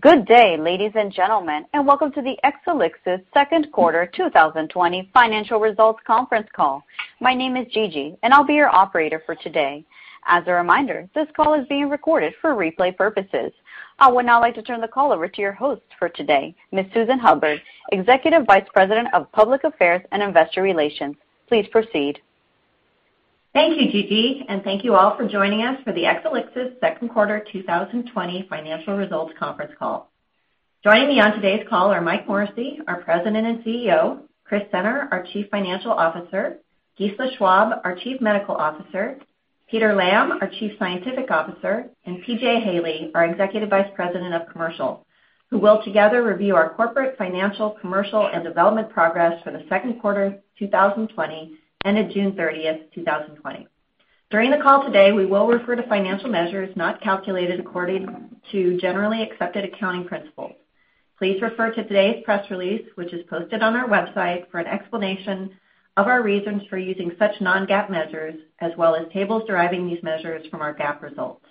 Good day, ladies and gentlemen, and welcome to the Exelixis Second Quarter 2020 Financial Results Conference Call. My name is Gigi, and I'll be your operator for today. As a reminder, this call is being recorded for replay purposes. I would now like to turn the call over to your host for today, Ms. Susan Hubbard, Executive Vice President of Public Affairs and Investor Relations. Please proceed. Thank you, Gigi, and thank you all for joining us for the Exelixis Second Quarter 2020 Financial Results Conference Call. Joining me on today's call are Mike Morrissey, our President and CEO; Chris Senner, our Chief Financial Officer; Gisela Schwab, our Chief Medical Officer; Peter Lamb, our Chief Scientific Officer; and P.J. Haley, our Executive Vice President of Commercial, who will together review our corporate financial, commercial, and development progress for the second quarter of 2020 ended June 30, 2020. During the call today, we will refer to financial measures not calculated according to generally accepted accounting principles. Please refer to today's press release, which is posted on our website, for an explanation of our reasons for using such non-GAAP measures, as well as tables deriving these measures from our GAAP results.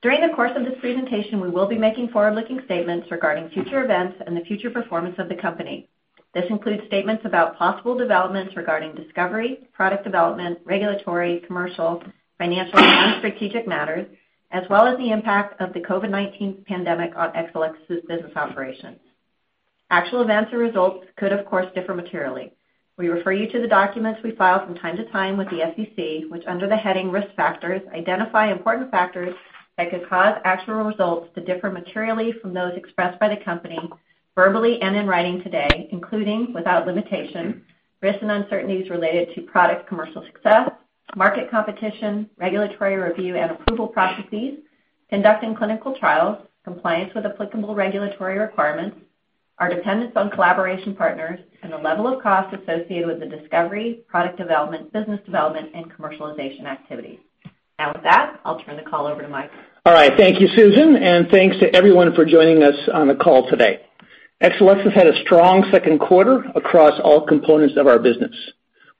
During the course of this presentation, we will be making forward-looking statements regarding future events and the future performance of the company. This includes statements about possible developments regarding discovery, product development, regulatory, commercial, financial, and strategic matters, as well as the impact of the COVID-19 pandemic on Exelixis's business operations. Actual events or results could, of course, differ materially. We refer you to the documents we file from time to time with the SEC, which, under the heading Risk Factors, identify important factors that could cause actual results to differ materially from those expressed by the company verbally and in writing today, including, without limitation, risks and uncertainties related to product commercial success, market competition, regulatory review and approval processes, conducting clinical trials, compliance with applicable regulatory requirements, our dependence on collaboration partners, and the level of cost associated with the discovery, product development, business development, and commercialization activities. Now, with that, I'll turn the call over to Mike. All right. Thank you, Susan, and thanks to everyone for joining us on the call today. Exelixis had a strong second quarter across all components of our business.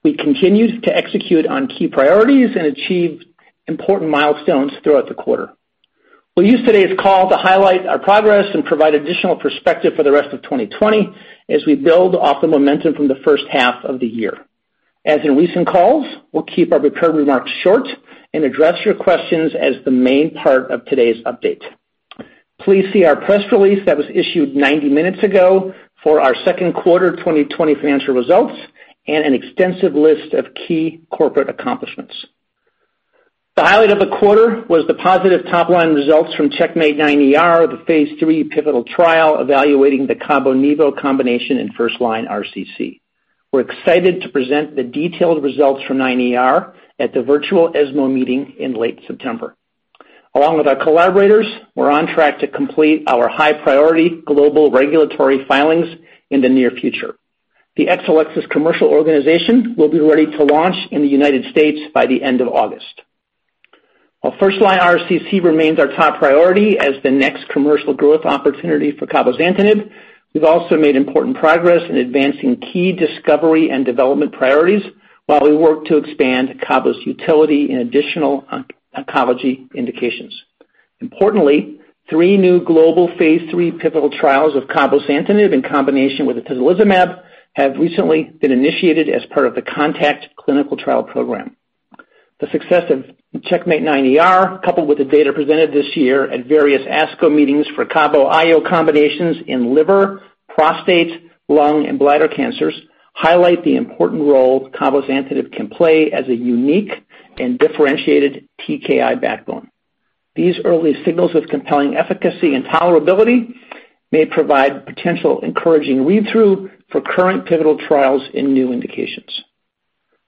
We continued to execute on key priorities and achieve important milestones throughout the quarter. We'll use today's call to highlight our progress and provide additional perspective for the rest of 2020 as we build off the momentum from the first half of the year. As in recent calls, we'll keep our prepared remarks short and address your questions as the main part of today's update. Please see our press release that was issued 90 minutes ago for our second quarter 2020 financial results and an extensive list of key corporate accomplishments. The highlight of the quarter was the positive top-line results from CheckMate 9ER, the phase 3 pivotal trial evaluating the cabo-nivo combination in first-line RCC. We're excited to present the detailed results from 9ER at the virtual ESMO meeting in late September. Along with our collaborators, we're on track to complete our high-priority global regulatory filings in the near future. The Exelixis commercial organization will be ready to launch in the United States by the end of August. While first line RCC remains our top priority as the next commercial growth opportunity for CABOMETYX, we've also made important progress in advancing key discovery and development priorities while we work to expand Cabo's utility in additional oncology indications. Importantly, three new global phase 3 pivotal trials of CABOMETYX in combination with atezolizumab have recently been initiated as part of the CONTACT Clinical Trial Program. The success of CheckMate 9ER, coupled with the data presented this year at various ASCO meetings for Cabo IO combinations in liver, prostate, lung, and bladder cancers, highlight the important role cabozantinib can play as a unique and differentiated TKI backbone. These early signals of compelling efficacy and tolerability may provide potential encouraging read-through for current pivotal trials in new indications.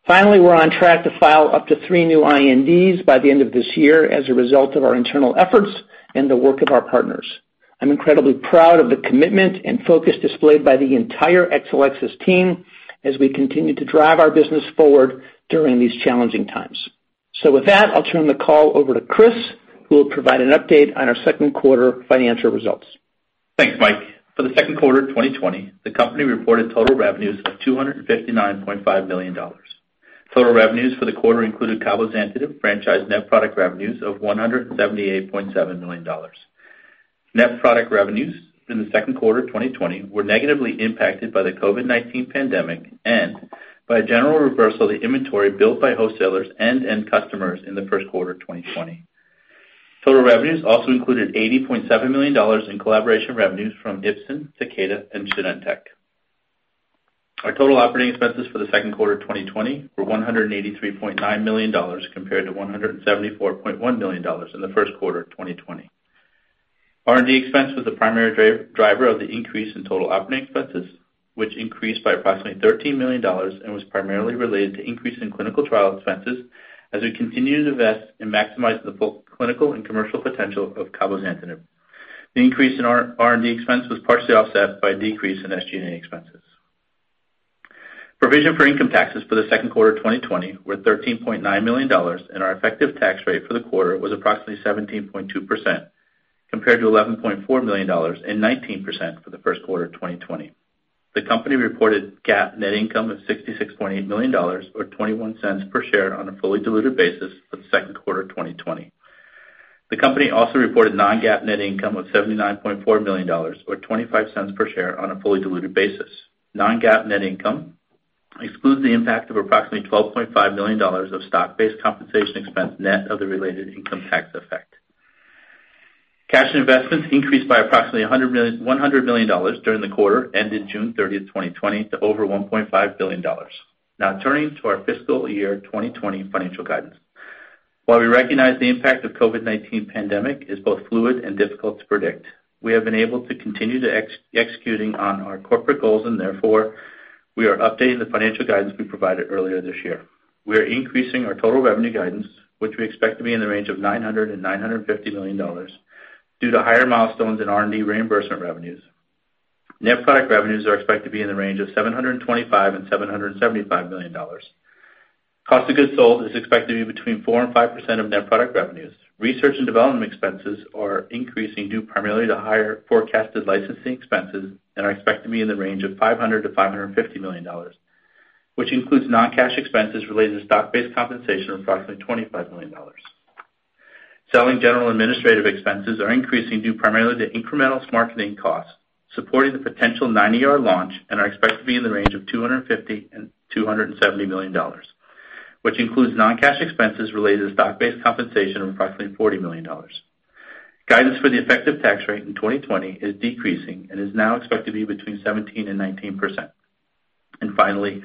Finally, we're on track to file up to three new INDs by the end of this year as a result of our internal efforts and the work of our partners. I'm incredibly proud of the commitment and focus displayed by the entire Exelixis team as we continue to drive our business forward during these challenging times. So, with that, I'll turn the call over to Chris, who will provide an update on our second quarter financial results. Thanks, Mike. For the second quarter 2020, the company reported total revenues of $259.5 million. Total revenues for the quarter included CABOMETYX franchise net product revenues of $178.7 million. Net product revenues in the second quarter 2020 were negatively impacted by the COVID-19 pandemic and by a general reversal of the inventory built by wholesalers and customers in the first quarter 2020. Total revenues also included $80.7 million in collaboration revenues from Ipsen, Takeda, and Genentech. Our total operating expenses for the second quarter 2020 were $183.9 million compared to $174.1 million in the first quarter 2020. R&D expense was the primary driver of the increase in total operating expenses, which increased by approximately $13 million and was primarily related to increasing clinical trial expenses as we continued to invest and maximize the clinical and commercial potential of CABOMETYX. The increase in R&D expense was partially offset by a decrease in SG&A expenses. Provision for income taxes for the second quarter 2020 were $13.9 million, and our effective tax rate for the quarter was approximately 17.2% compared to $11.4 million and 19% for the first quarter 2020. The company reported GAAP net income of $66.8 million, or 21 cents per share on a fully diluted basis for the second quarter 2020. The company also reported non-GAAP net income of $79.4 million, or 25 cents per share on a fully diluted basis. Non-GAAP net income excludes the impact of approximately $12.5 million of stock-based compensation expense net of the related income tax effect. Cash investments increased by approximately $100 million during the quarter ended June 30, 2020, to over $1.5 billion. Now, turning to our fiscal year 2020 financial guidance. While we recognize the impact of the COVID-19 pandemic is both fluid and difficult to predict, we have been able to continue executing on our corporate goals, and therefore, we are updating the financial guidance we provided earlier this year. We are increasing our total revenue guidance, which we expect to be in the range of $900 to $950 million due to higher milestones in R&D reimbursement revenues. Net product revenues are expected to be in the range of $725 to $775 million. Cost of goods sold is expected to be between 4% and 5% of net product revenues. Research and development expenses are increasing due primarily to higher forecasted licensing expenses and are expected to be in the range of $500 to $550 million, which includes non-cash expenses related to stock-based compensation of approximately $25 million. Selling general administrative expenses are increasing due primarily to incremental marketing costs supporting the potential 9ER launch and are expected to be in the range of $250 to $270 million, which includes non-cash expenses related to stock-based compensation of approximately $40 million. Guidance for the effective tax rate in 2020 is decreasing and is now expected to be between 17% and 19%. And finally,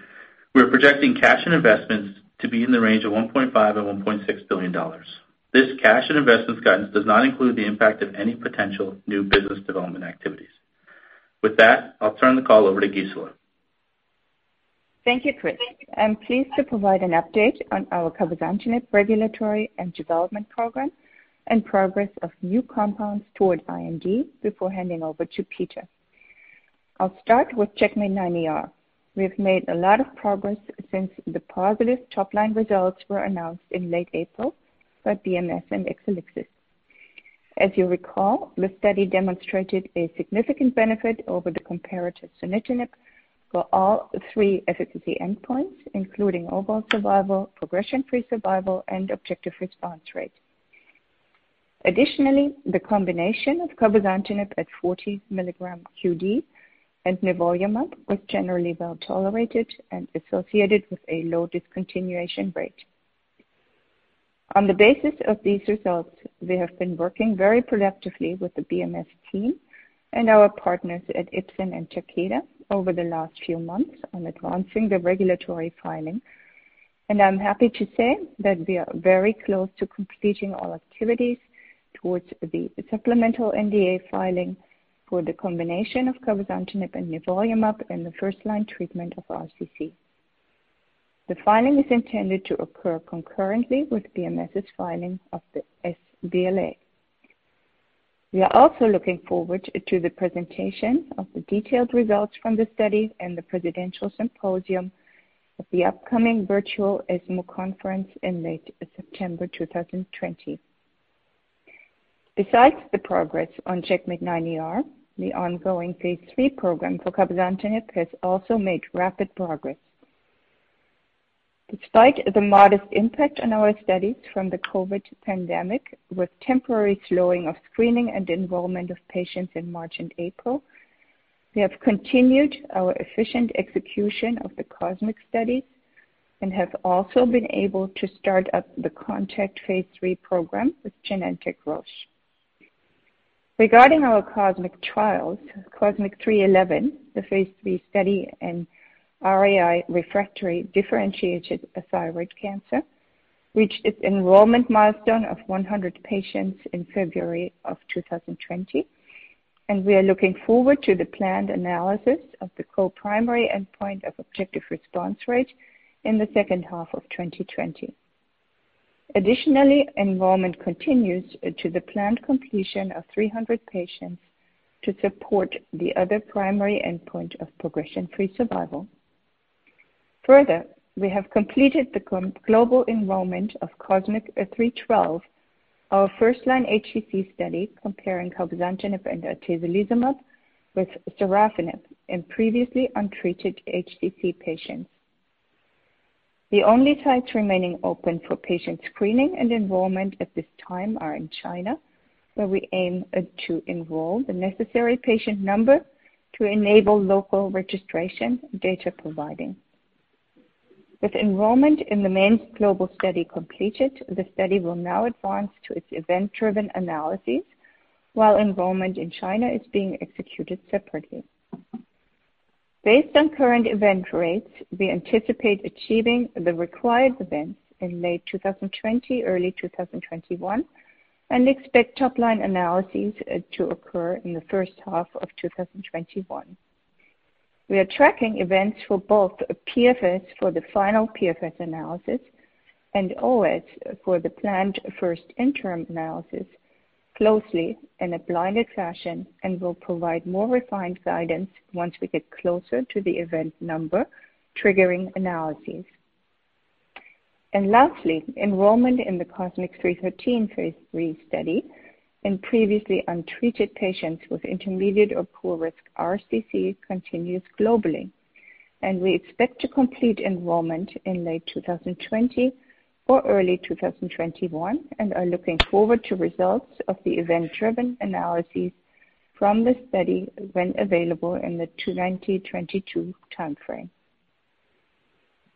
we are projecting cash and investments to be in the range of $1.5-$1.6 billion. This cash and investments guidance does not include the impact of any potential new business development activities. With that, I'll turn the call over to Gisela. Thank you, Chris. I'm pleased to provide an update on our cabozantinib regulatory and development program and progress of new compounds toward IND before handing over to Peter. I'll start with CheckMate 9ER. We have made a lot of progress since the positive top-line results were announced in late April by BMS and Exelixis. As you recall, the study demonstrated a significant benefit over the comparative sunitinib for all three efficacy endpoints, including overall survival, progression-free survival, and objective response rate. Additionally, the combination of cabozantinib at 40 milligrams q.d. and nivolumab was generally well tolerated and associated with a low discontinuation rate. On the basis of these results, we have been working very productively with the BMS team and our partners at Ipsen and Takeda over the last few months on advancing the regulatory filing, and I'm happy to say that we are very close to completing all activities towards the supplemental NDA filing for the combination of cabozantinib and nivolumab in the first-line treatment of RCC. The filing is intended to occur concurrently with BMS's filing of the sBLA. We are also looking forward to the presentation of the detailed results from the study and the presidential symposium at the upcoming virtual ESMO conference in late September 2020. Besides the progress on CheckMate 9ER, the ongoing phase 3 program for cabozantinib has also made rapid progress. Despite the modest impact on our studies from the COVID pandemic, with temporary slowing of screening and involvement of patients in March and April, we have continued our efficient execution of the COSMIC studies and have also been able to start up the CONTACT phase 3 program with Genentech Roche. Regarding our COSMIC trials, COSMIC-311, the phase 3 study in RAI refractory differentiated thyroid cancer, reached its enrollment milestone of 100 patients in February of 2020, and we are looking forward to the planned analysis of the co-primary endpoint of objective response rate in the second half of 2020. Additionally, enrollment continues to the planned completion of 300 patients to support the other primary endpoint of progression-free survival. Further, we have completed the global enrollment of COSMIC-312, our first-line HCC study comparing cabozantinib and atezolizumab with sorafenib in previously untreated HCC patients. The only sites remaining open for patient screening and enrollment at this time are in China, where we aim to enroll the necessary patient number to enable local registration data providing. With enrollment in the main global study completed, the study will now advance to its event-driven analyses, while enrollment in China is being executed separately. Based on current event rates, we anticipate achieving the required events in late 2020, early 2021, and expect top-line analyses to occur in the first half of 2021. We are tracking events for both PFS for the final PFS analysis and OS for the planned first interim analysis closely in a blinded fashion and will provide more refined guidance once we get closer to the event number triggering analyses. Lastly, enrollment in the COSMIC-313 phase 3 study in previously untreated patients with intermediate or poor risk RCC continues globally, and we expect to complete enrollment in late 2020 or early 2021 and are looking forward to results of the event-driven analyses from the study when available in the 2020-2022 timeframe.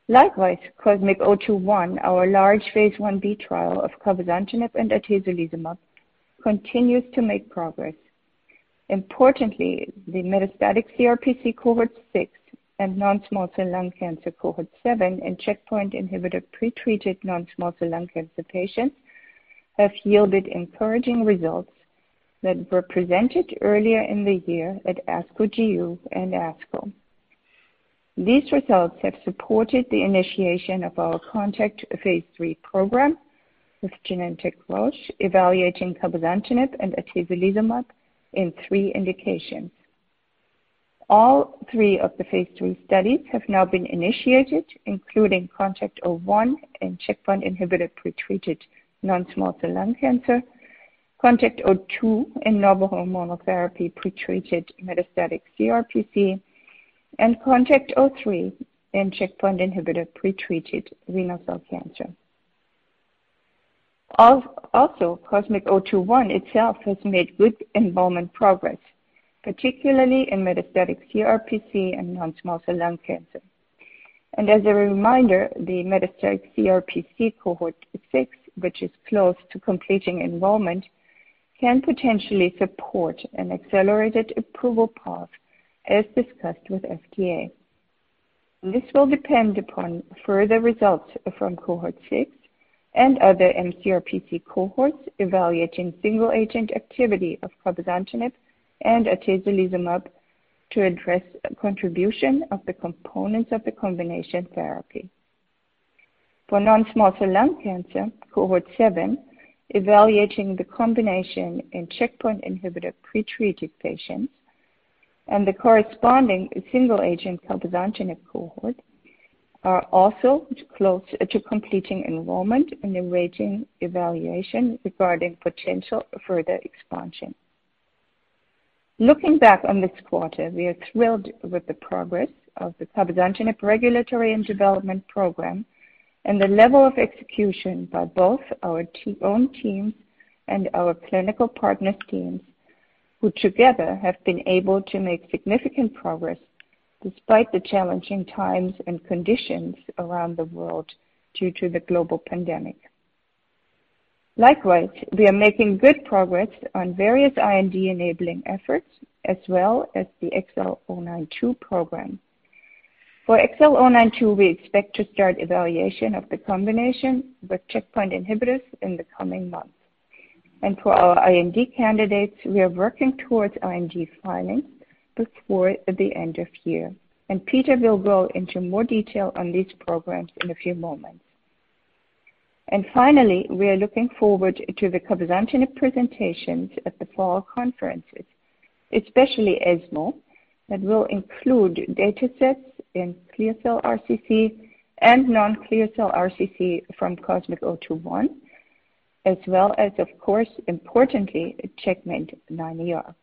Likewise, COSMIC-021, our large phase 1b trial of cabozantinib and atezolizumab, continues to make progress. Importantly, the metastatic CRPC cohort 6 and non-small cell lung cancer cohort 7 and checkpoint inhibitor pretreated non-small cell lung cancer patients have yielded encouraging results that were presented earlier in the year at ASCO GU and ASCO. These results have supported the initiation of our CONTACT phase 3 program with Genentech, Roche, evaluating cabozantinib and atezolizumab in three indications. All three of the phase 3 studies have now been initiated, including CONTACT-01 in checkpoint inhibitor pretreated non-small cell lung cancer, CONTACT-02 in novel hormonal therapy pretreated metastatic CRPC, and CONTACT-03 in checkpoint inhibitor pretreated renal cell cancer. Also, COSMIC-021 itself has made good enrollment progress, particularly in metastatic CRPC and non-small cell lung cancer. And as a reminder, the metastatic CRPC cohort six, which is close to completing enrollment, can potentially support an accelerated approval path as discussed with FDA. This will depend upon further results from cohort six and other mCRPC cohorts evaluating single-agent activity of cabozantinib and atezolizumab to address contribution of the components of the combination therapy. For non-small cell lung cancer, cohort seven evaluating the combination in checkpoint inhibitor pretreated patients and the corresponding single-agent cabozantinib cohort are also close to completing enrollment and awaiting evaluation regarding potential further expansion. Looking back on this quarter, we are thrilled with the progress of the cabozantinib regulatory and development program and the level of execution by both our own teams and our clinical partners' teams, who together have been able to make significant progress despite the challenging times and conditions around the world due to the global pandemic. Likewise, we are making good progress on various IND enabling efforts as well as the XL092 program. For XL092, we expect to start evaluation of the combination with checkpoint inhibitors in the coming months. For our IND candidates, we are working towards IND filing before the end of year, and Peter will go into more detail on these programs in a few moments. Finally, we are looking forward to the cabozantinib presentations at the fall conferences, especially ESMO, that will include data sets in clear cell RCC and non-clear cell RCC from COSMIC-021, as well as, of course, importantly, CheckMate 9ER.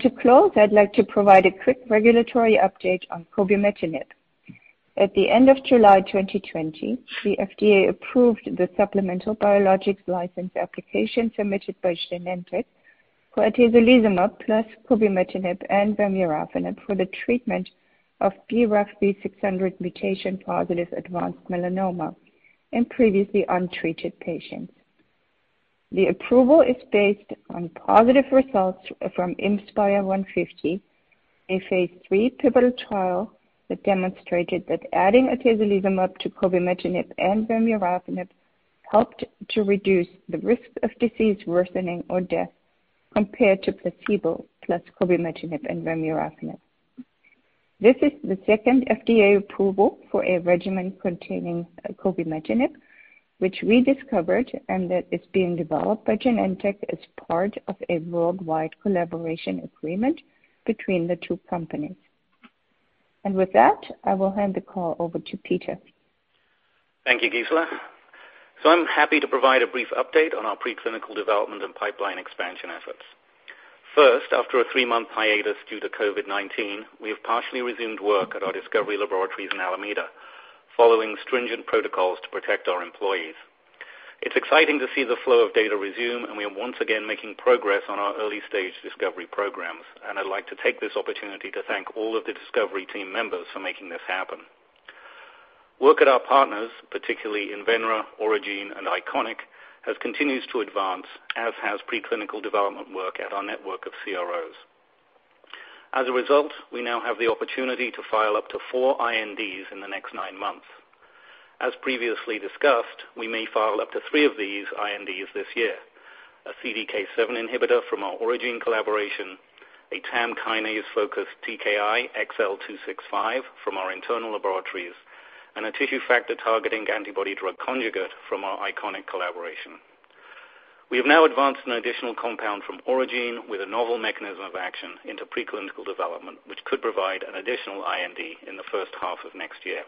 To close, I'd like to provide a quick regulatory update on cobimetinib. At the end of July 2020, the FDA approved the supplemental biologics license application submitted by Genentech for atezolizumab plus cobimetinib and vemurafenib for the treatment of BRAF V600 mutation positive advanced melanoma in previously untreated patients. The approval is based on positive results from IMspire150, a phase 3 pivotal trial that demonstrated that adding atezolizumab to cobimetinib and vemurafenib helped to reduce the risk of disease worsening or death compared to placebo plus cobimetinib and vemurafenib. This is the second FDA approval for a regimen containing cobimetinib, which we discovered and that is being developed by Genentech as part of a worldwide collaboration agreement between the two companies. And with that, I will hand the call over to Peter. Thank you, Gisela. I'm happy to provide a brief update on our preclinical development and pipeline expansion efforts. First, after a three-month hiatus due to COVID-19, we have partially resumed work at our discovery laboratories in Alameda following stringent protocols to protect our employees. It's exciting to see the flow of data resume, and we are once again making progress on our early-stage discovery programs, and I'd like to take this opportunity to thank all of the discovery team members for making this happen. Work at our partners, particularly Invenra, Aurigene, and Iconic, has continued to advance, as has preclinical development work at our network of CROs. As a result, we now have the opportunity to file up to four INDs in the next nine months. As previously discussed, we may file up to three of these INDs this year: a CDK7 inhibitor from our Aurigene collaboration, a TAM kinase-focused TKI XL265 from our internal laboratories, and a tissue factor-targeting antibody-drug conjugate from our Iconic collaboration. We have now advanced an additional compound from Aurigene with a novel mechanism of action into preclinical development, which could provide an additional IND in the first half of next year.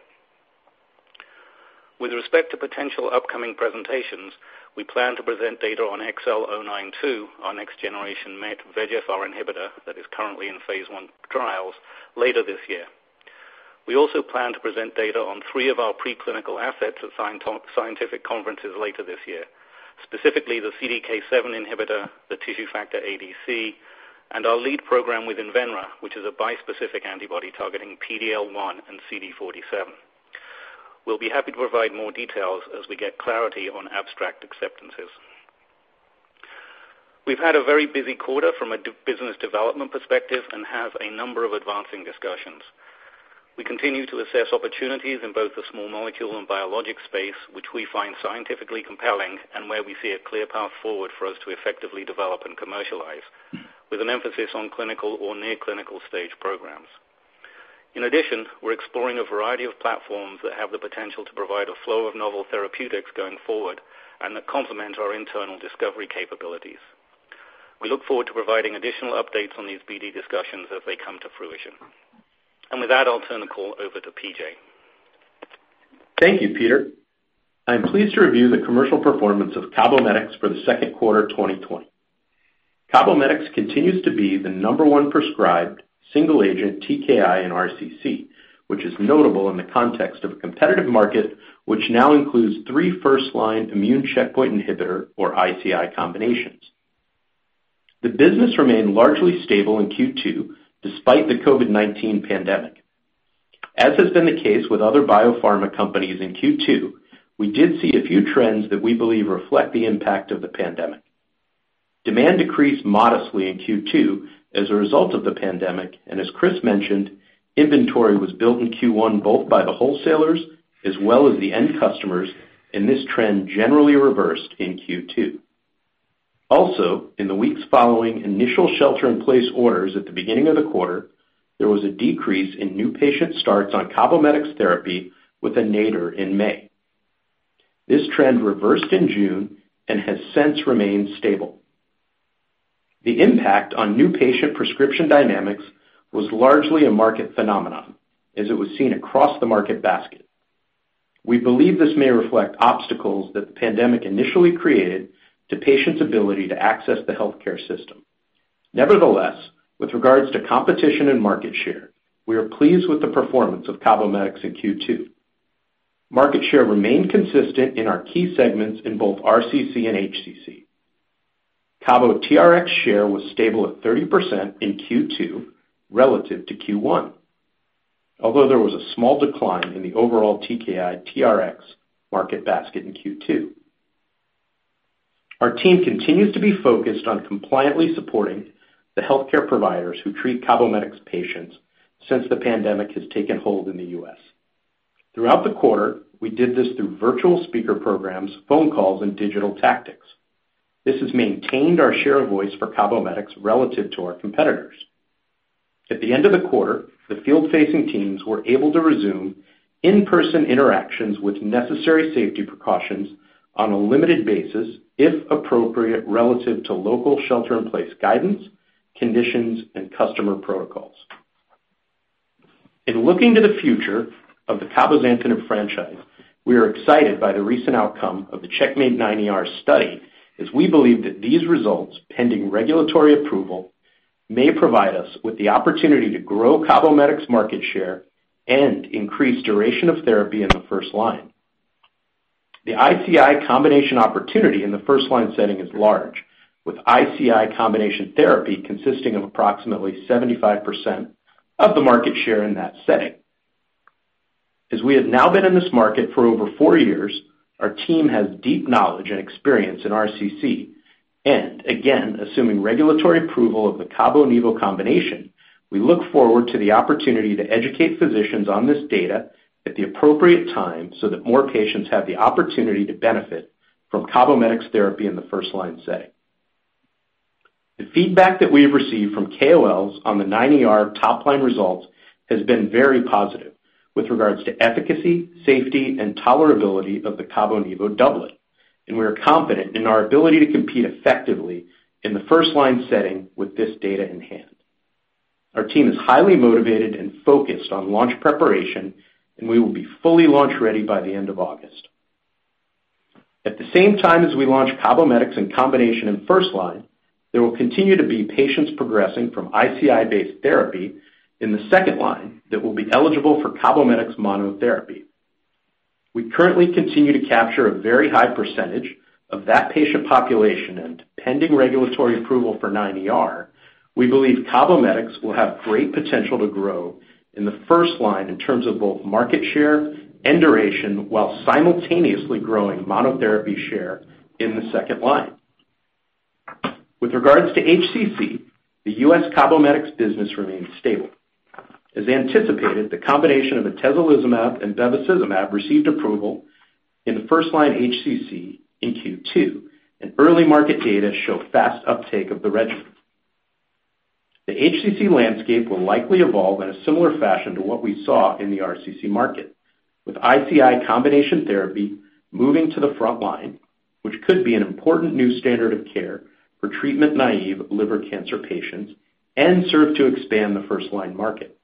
With respect to potential upcoming presentations, we plan to present data on XL092, our next-generation MET/VEGFR inhibitor that is currently in phase 1 trials, later this year. We also plan to present data on three of our preclinical assets at scientific conferences later this year, specifically the CDK7 inhibitor, the tissue factor ADC, and our lead program with Invenra, which is a bispecific antibody targeting PD-L1 and CD47. We'll be happy to provide more details as we get clarity on abstract acceptances. We've had a very busy quarter from a business development perspective and have a number of advancing discussions. We continue to assess opportunities in both the small molecule and biologic space, which we find scientifically compelling and where we see a clear path forward for us to effectively develop and commercialize, with an emphasis on clinical or near-clinical stage programs. In addition, we're exploring a variety of platforms that have the potential to provide a flow of novel therapeutics going forward and that complement our internal discovery capabilities. We look forward to providing additional updates on these BD discussions as they come to fruition, and with that, I'll turn the call over to P.J. Thank you, Peter. I'm pleased to review the commercial performance of CABOMETYX for the second quarter 2020. CABOMETYX continues to be the number one prescribed single-agent TKI in RCC, which is notable in the context of a competitive market which now includes three first-line immune checkpoint inhibitor or ICI combinations. The business remained largely stable in Q2 despite the COVID-19 pandemic. As has been the case with other biopharma companies in Q2, we did see a few trends that we believe reflect the impact of the pandemic. Demand decreased modestly in Q2 as a result of the pandemic, and as Chris mentioned, inventory was built in Q1 both by the wholesalers as well as the end customers, and this trend generally reversed in Q2. Also, in the weeks following initial shelter-in-place orders at the beginning of the quarter, there was a decrease in new patient starts on CABOMETYX therapy with a nadir in May. This trend reversed in June and has since remained stable. The impact on new patient prescription dynamics was largely a market phenomenon, as it was seen across the market basket. We believe this may reflect obstacles that the pandemic initially created to patients' ability to access the healthcare system. Nevertheless, with regards to competition and market share, we are pleased with the performance of CABOMETYX in Q2. Market share remained consistent in our key segments in both RCC and HCC. CABOMETYX TRx share was stable at 30% in Q2 relative to Q1, although there was a small decline in the overall TKI TRx market basket in Q2. Our team continues to be focused on compliantly supporting the healthcare providers who treat CABOMETYX patients since the pandemic has taken hold in the U.S. Throughout the quarter, we did this through virtual speaker programs, phone calls, and digital tactics. This has maintained our share of voice for CABOMETYX relative to our competitors. At the end of the quarter, the field-facing teams were able to resume in-person interactions with necessary safety precautions on a limited basis, if appropriate, relative to local shelter-in-place guidance, conditions, and customer protocols. In looking to the future of the cabozantinib franchise, we are excited by the recent outcome of the CheckMate 9ER study, as we believe that these results, pending regulatory approval, may provide us with the opportunity to grow CABOMETYX's market share and increase duration of therapy in the first line. The ICI combination opportunity in the first-line setting is large, with ICI combination therapy consisting of approximately 75% of the market share in that setting. As we have now been in this market for over four years, our team has deep knowledge and experience in RCC, and again, assuming regulatory approval of the cabo-nivo combination, we look forward to the opportunity to educate physicians on this data at the appropriate time so that more patients have the opportunity to benefit from CABOMETYX therapy in the first-line setting. The feedback that we have received from KOLs on the 9ER top-line results has been very positive with regard to efficacy, safety, and tolerability of the cabo-nivo doublet, and we are confident in our ability to compete effectively in the first-line setting with this data in hand. Our team is highly motivated and focused on launch preparation, and we will be fully launch ready by the end of August. At the same time as we launch CABOMETYX in combination in first line, there will continue to be patients progressing from ICI-based therapy in the second line that will be eligible for CABOMETYX monotherapy. We currently continue to capture a very high percentage of that patient population and, pending regulatory approval for 9ER, we believe CABOMETYX will have great potential to grow in the first line in terms of both market share and duration while simultaneously growing monotherapy share in the second line. With regards to HCC, the U.S. CABOMETYX business remains stable. As anticipated, the combination of atezolizumab and bevacizumab received approval in first-line HCC in Q2, and early market data show fast uptake of the regimen. The HCC landscape will likely evolve in a similar fashion to what we saw in the RCC market, with ICI combination therapy moving to the front line, which could be an important new standard of care for treatment-naive liver cancer patients and serve to expand the first-line market.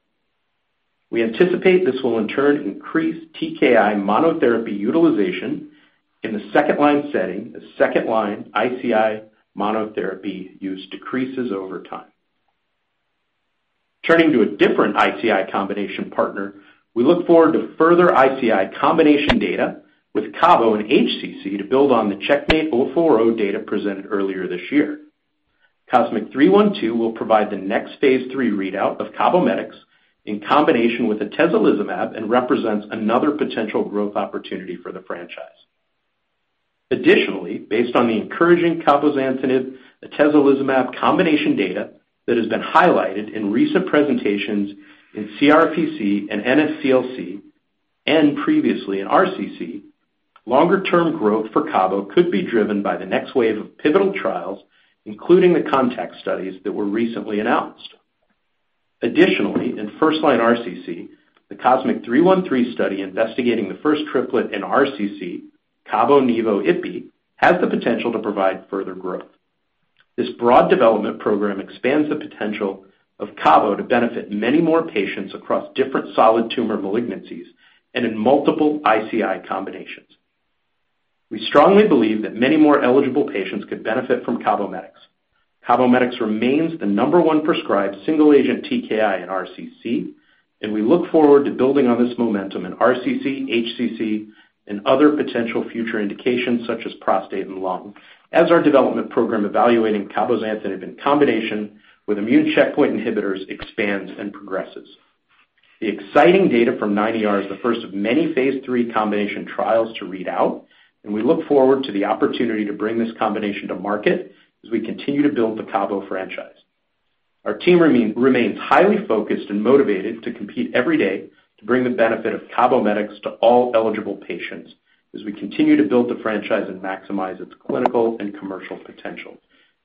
We anticipate this will, in turn, increase TKI monotherapy utilization in the second-line setting as second-line ICI monotherapy use decreases over time. Turning to a different ICI combination partner, we look forward to further ICI combination data with Cabo and HCC to build on the CheckMate 040 data presented earlier this year. COSMIC-312 will provide the next phase 3 readout of CABOMETYX in combination with atezolizumab and represents another potential growth opportunity for the franchise. Additionally, based on the encouraging cabozantinib, atezolizumab combination data that has been highlighted in recent presentations in CRPC and NSCLC and previously in RCC, longer-term growth for Cabo could be driven by the next wave of pivotal trials, including the CONTACT studies that were recently announced. Additionally, in first-line RCC, the COSMIC-313 study investigating the first triplet in RCC, cabozantinib, nivolumab, ipilimumab, has the potential to provide further growth. This broad development program expands the potential of Cabo to benefit many more patients across different solid tumor malignancies and in multiple ICI combinations. We strongly believe that many more eligible patients could benefit from CABOMETYX. CABOMETYX remains the number one prescribed single-agent TKI in RCC, and we look forward to building on this momentum in RCC, HCC, and other potential future indications such as prostate and lung, as our development program evaluating cabozantinib in combination with immune checkpoint inhibitors expands and progresses. The exciting data from 9ER is the first of many phase 3 combination trials to read out, and we look forward to the opportunity to bring this combination to market as we continue to build the Cabo franchise. Our team remains highly focused and motivated to compete every day to bring the benefit of CABOMETYX to all eligible patients as we continue to build the franchise and maximize its clinical and commercial potential.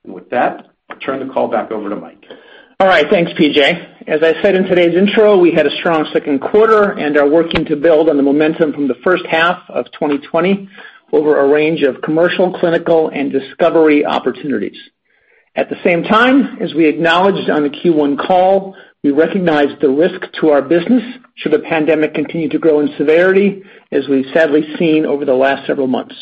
And with that, I'll turn the call back over to Mike. All right. Thanks, PJ. As I said in today's intro, we had a strong second quarter and are working to build on the momentum from the first half of 2020 over a range of commercial, clinical, and discovery opportunities. At the same time, as we acknowledged on the Q1 call, we recognize the risk to our business should the pandemic continue to grow in severity, as we've sadly seen over the last several months.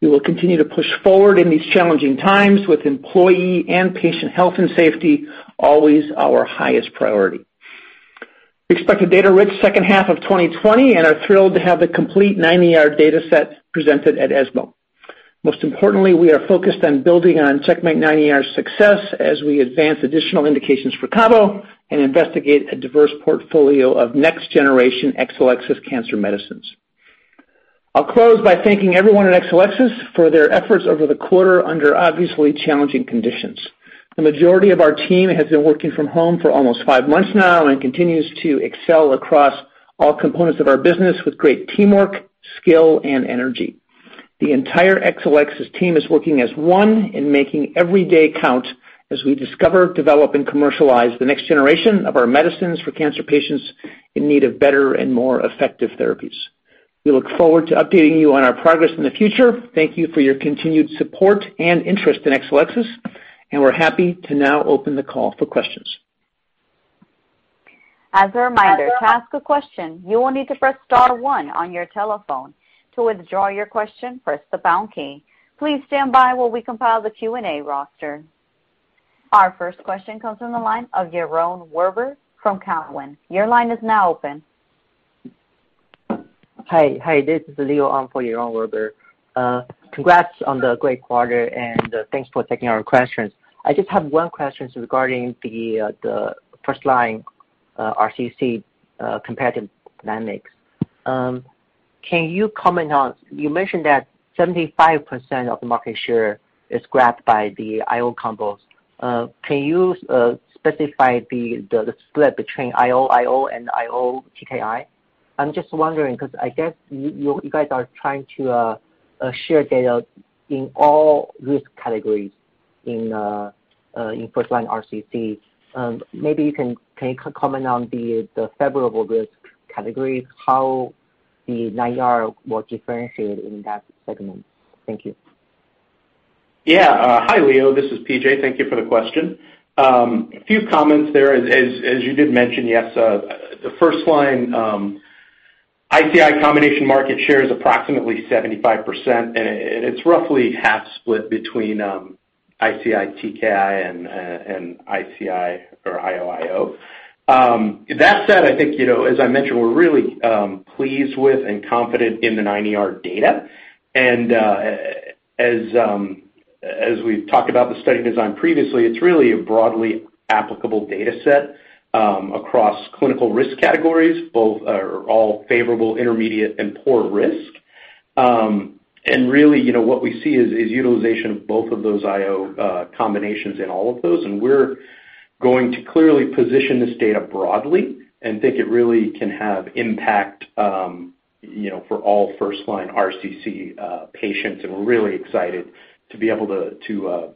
We will continue to push forward in these challenging times with employee and patient health and safety always our highest priority. We expect a data-rich second half of 2020 and are thrilled to have the complete 9ER dataset presented at ESMO. Most importantly, we are focused on building on CheckMate 9ER's success as we advance additional indications for Cabo and investigate a diverse portfolio of next-generation Exelixis cancer medicines. I'll close by thanking everyone at Exelixis for their efforts over the quarter under obviously challenging conditions. The majority of our team has been working from home for almost five months now and continues to excel across all components of our business with great teamwork, skill, and energy. The entire Exelixis team is working as one in making every day count as we discover, develop, and commercialize the next generation of our medicines for cancer patients in need of better and more effective therapies. We look forward to updating you on our progress in the future. Thank you for your continued support and interest in Exelixis, and we're happy to now open the call for questions. As a reminder, to ask a question, you will need to press star one on your telephone. To withdraw your question, press the pound key. Please stand by while we compile the Q&A roster. Our first question comes from the line of Yaron Werber from Cowen. Your line is now open. Hi. Hi. This is Leo Amin for Yaron Werber. Congrats on the great quarter, and thanks for taking our questions. I just have one question regarding the first-line RCC competitive dynamics. Can you comment on what you mentioned that 75% of the market share is grabbed by the IO combos? Can you specify the split between IO/IO and IO/TKI? I'm just wondering because I guess you guys are trying to share data in all risk categories in first-line RCC. Maybe you can comment on the favorable risk category, how the 9ER will differentiate in that segment? Thank you. Yeah. Hi, Leo. This is P.J. Thank you for the question. A few comments there. As you did mention, yes, the first-line ICI combination market share is approximately 75%, and it's roughly half split between ICI TKI and ICI or IO, IO. That said, I think, as I mentioned, we're really pleased with and confident in the 9ER data. And as we've talked about the study design previously, it's really a broadly applicable dataset across clinical risk categories, both all favorable, intermediate, and poor risk. And really, what we see is utilization of both of those IO combinations in all of those. And we're going to clearly position this data broadly and think it really can have impact for all first-line RCC patients. And we're really excited to be able to,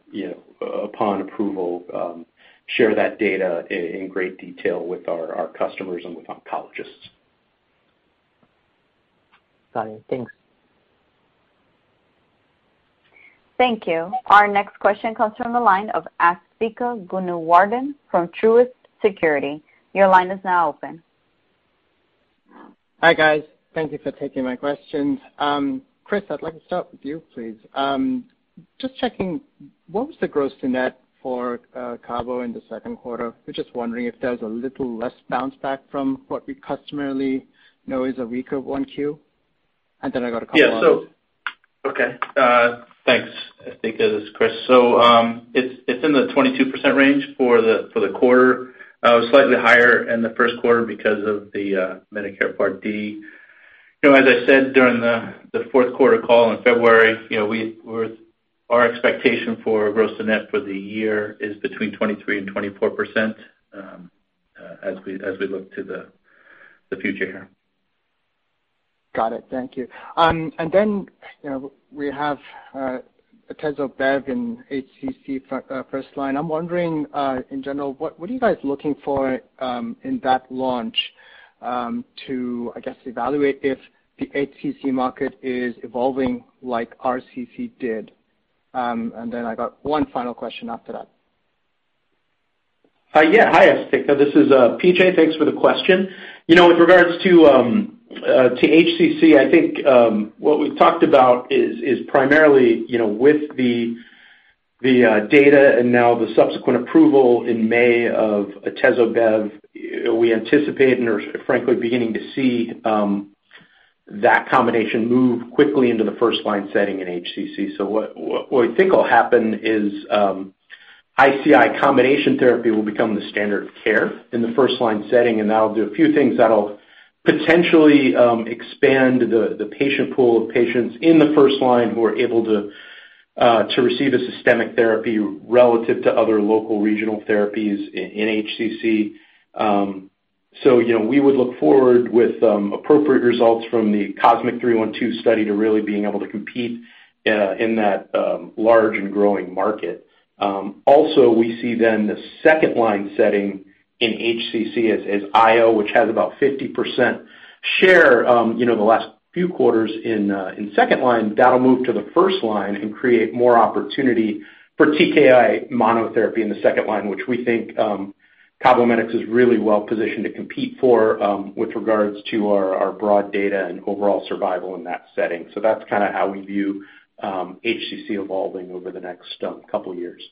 upon approval, share that data in great detail with our customers and with oncologists. Got it. Thanks. Thank you. Our next question comes from the line of Asthika Goonewardene from Truist Securities. Your line is now open. Hi, guys. Thank you for taking my questions. Chris, I'd like to start with you, please. Just checking, what was the gross net for Cabo in the second quarter? We're just wondering if there was a little less bounce back from what we customarily know is a weaker one-Q. And then I got a couple of others. Yeah. So okay. Thanks, Asthika and Chris. So it's in the 22% range for the quarter. It was slightly higher in the first quarter because of the Medicare Part D. As I said during the fourth quarter call in February, our expectation for gross net for the year is between 23% and 24% as we look to the future here. Got it. Thank you. And then we have Atezo, Bev, and HCC first line. I'm wondering, in general, what are you guys looking for in that launch to, I guess, evaluate if the HCC market is evolving like RCC did? And then I got one final question after that. Yeah. Hi, Asthika. This is PJ. Thanks for the question. With regards to HCC, I think what we've talked about is primarily with the data and now the subsequent approval in May of Atezo, Bev, we anticipate and are frankly beginning to see that combination move quickly into the first-line setting in HCC. So what we think will happen is ICI combination therapy will become the standard of care in the first-line setting, and that'll do a few things that'll potentially expand the patient pool of patients in the first line who are able to receive a systemic therapy relative to other local regional therapies in HCC. So we would look forward with appropriate results from the COSMIC-312 study to really being able to compete in that large and growing market. Also, we see then the second-line setting in HCC as IO, which has about 50% share the last few quarters in second line, that'll move to the first line and create more opportunity for TKI monotherapy in the second line, which we think CABOMETYX is really well positioned to compete for with regards to our broad data and overall survival in that setting. So that's kind of how we view HCC evolving over the next couple of years.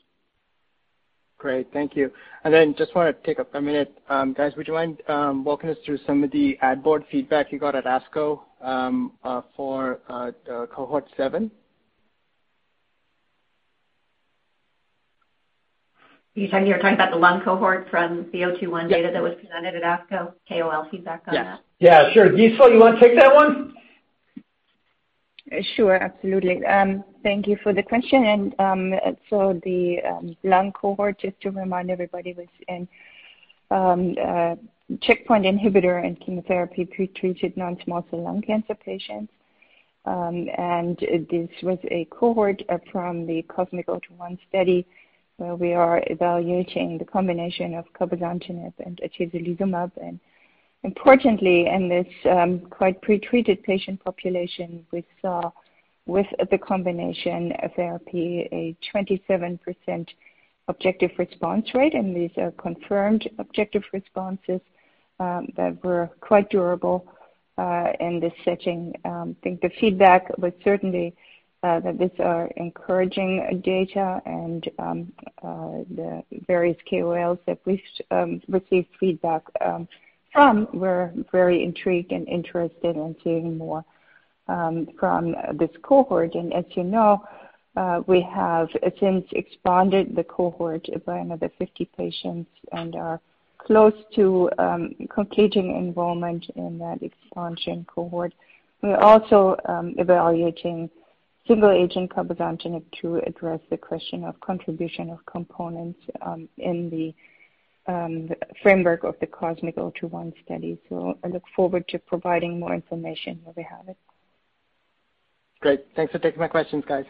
Great. Thank you. And then just want to take a minute. Guys, would you mind walking us through some of the AdBoard feedback you got at ASCO for cohort seven? You said you were talking about the lung cohort from COSMIC-021 data that was presented at ASCO? KOL feedback on that. Yeah. Yeah. Sure. Gisela, you want to take that one? Sure. Absolutely. Thank you for the question. And so the lung cohort, just to remind everybody, was in checkpoint inhibitor and chemotherapy pretreated non-small cell lung cancer patients. And this was a cohort from the COSMIC-021 study where we are evaluating the combination of cabozantinib and atezolizumab. And importantly, in this quite pretreated patient population, we saw with the combination therapy a 27% objective response rate, and these are confirmed objective responses that were quite durable in this setting. I think the feedback was certainly that these are encouraging data, and the various KOLs that we received feedback from were very intrigued and interested in seeing more from this cohort. And as you know, we have since expanded the cohort by another 50 patients and are close to completing enrollment in that expansion cohort. We're also evaluating single-agent cabozantinib to address the question of contribution of components in the framework of the COSMIC-021 study. So I look forward to providing more information when we have it. Great. Thanks for taking my questions, guys.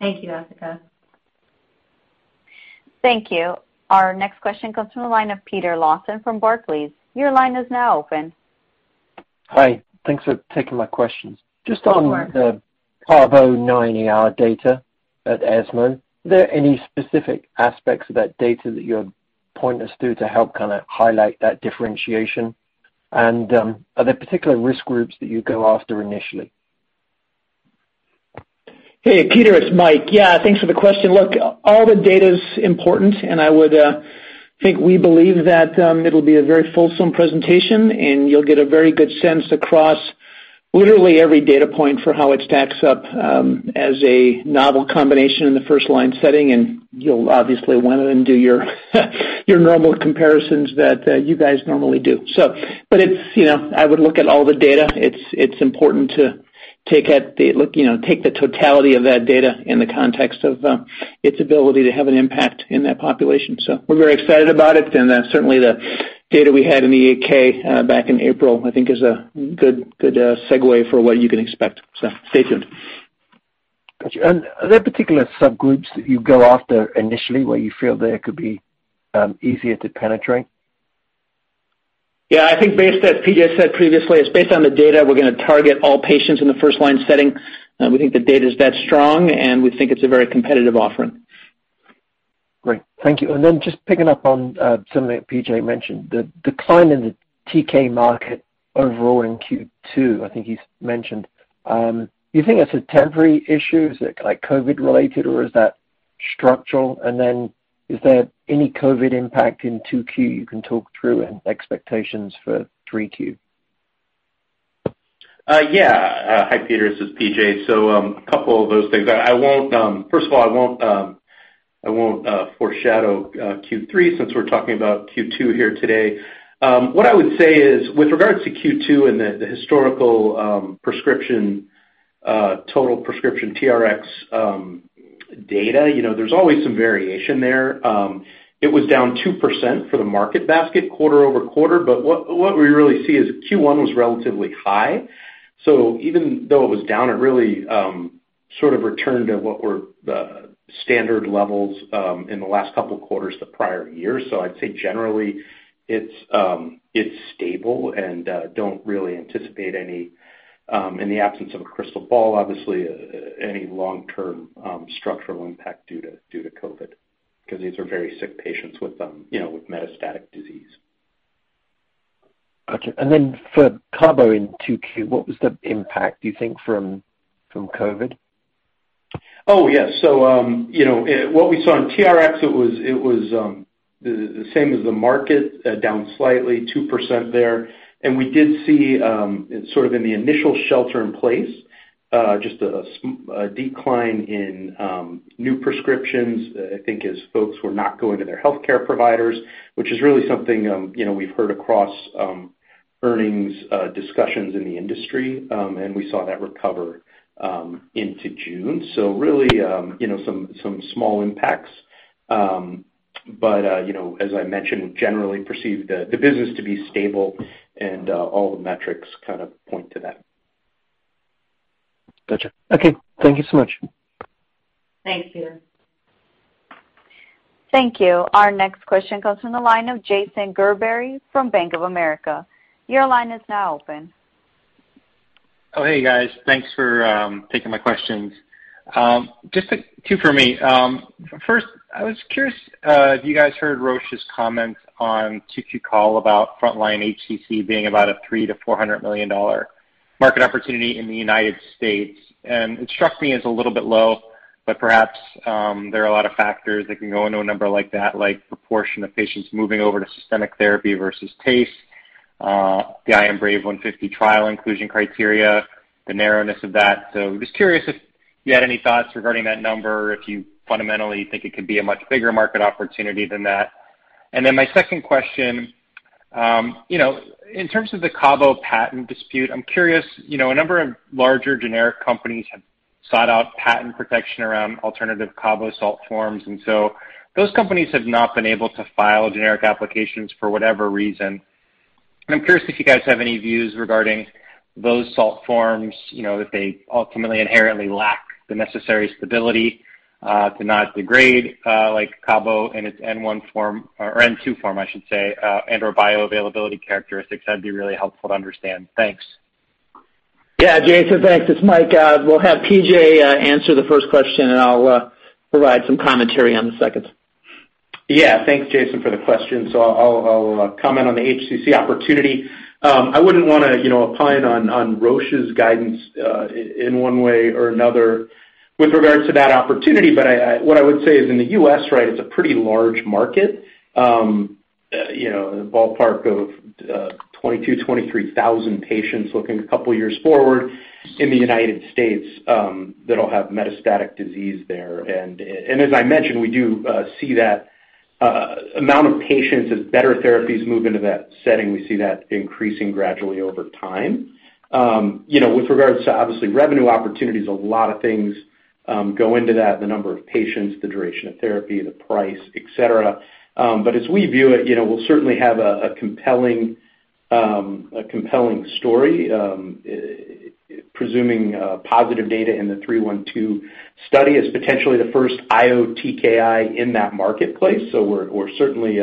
Thank you, Asthika. Thank you. Our next question comes from the line of Peter Lawson from Barclays. Your line is now open. Hi. Thanks for taking my questions. Just on the Cabo 9ER data at ESMO, are there any specific aspects of that data that you're pointing us through to help kind of highlight that differentiation? And are there particular risk groups that you go after initially? Hey, Peter, it's Mike. Yeah. Thanks for the question. Look, all the data is important, and I would think we believe that it'll be a very fulsome presentation, and you'll get a very good sense across literally every data point for how it stacks up as a novel combination in the first-line setting, and you'll obviously want to then do your normal comparisons that you guys normally do, but I would look at all the data. It's important to take the totality of that data in the context of its ability to have an impact in that population, so we're very excited about it, and certainly, the data we had in the AACR back in April, I think, is a good segue for what you can expect, so stay tuned. Gotcha. And are there particular subgroups that you go after initially where you feel they could be easier to penetrate? Yeah. I think based on what PJ said previously, it's based on the data. We're going to target all patients in the first-line setting. We think the data is that strong, and we think it's a very competitive offering. Great. Thank you. And then just picking up on something that P.J. mentioned, the decline in the TKI market overall in Q2, I think he's mentioned. Do you think that's a temporary issue? Is it COVID-related, or is that structural? And then is there any COVID impact in Q2 you can talk through and expectations for Q3? Yeah. Hi, Peter. This is PJ. So a couple of those things. First of all, I won't foreshadow Q3 since we're talking about Q2 here today. What I would say is, with regards to Q2 and the historical prescription total prescription TRx data, there's always some variation there. It was down 2% for the market basket quarter over quarter, but what we really see is Q1 was relatively high. So even though it was down, it really sort of returned to what were the standard levels in the last couple of quarters the prior year. So I'd say generally, it's stable, and I don't really anticipate any, in the absence of a crystal ball, obviously, any long-term structural impact due to COVID because these are very sick patients with metastatic disease. Gotcha. And then for Cabo in Q2, what was the impact, do you think, from COVID? Oh, yeah. So what we saw in TRx, it was the same as the market, down slightly, 2% there. And we did see sort of in the initial shelter-in-place, just a decline in new prescriptions, I think, as folks were not going to their healthcare providers, which is really something we've heard across earnings discussions in the industry. And we saw that recover into June. So really some small impacts. But as I mentioned, we generally perceive the business to be stable, and all the metrics kind of point to that. Gotcha. Okay. Thank you so much. Thanks, Peter. Thank you. Our next question comes from the line of Jason Gerberry from Bank of America. Your line is now open. Oh, hey, guys. Thanks for taking my questions. Just two for me. First, I was curious if you guys heard Roche's comments on Q2 call about front-line HCC being about a $300 million to $400 million market opportunity in the United States. And it struck me as a little bit low, but perhaps there are a lot of factors. I can go into a number like that, like proportion of patients moving over to systemic therapy versus TACE, the IMbrave150 trial inclusion criteria, the narrowness of that. So just curious if you had any thoughts regarding that number, if you fundamentally think it could be a much bigger market opportunity than that. And then my second question, in terms of the Cabo patent dispute, I'm curious. A number of larger generic companies have sought out patent protection around alternative Cabo salt forms. And so those companies have not been able to file generic applications for whatever reason. And I'm curious if you guys have any views regarding those salt forms that they ultimately inherently lack the necessary stability to not degrade, like Cabo and its N1 form or N2 form, I should say, and/or bioavailability characteristics. That'd be really helpful to understand. Thanks. Yeah. Jason, thanks. It's Mike. We'll have PJ answer the first question, and I'll provide some commentary on the second. Yeah. Thanks, Jason, for the question. So I'll comment on the HCC opportunity. I wouldn't want to opine on Roche's guidance in one way or another with regards to that opportunity. But what I would say is, in the U.S., right, it's a pretty large market, a ballpark of 22,000 to 23,000 patients looking a couple of years forward in the United States that'll have metastatic disease there. And as I mentioned, we do see that amount of patients as better therapies move into that setting. We see that increasing gradually over time. With regards to, obviously, revenue opportunities, a lot of things go into that: the number of patients, the duration of therapy, the price, etc. But as we view it, we'll certainly have a compelling story, presuming positive data in the 312 study as potentially the first IO TKI in that marketplace. So we certainly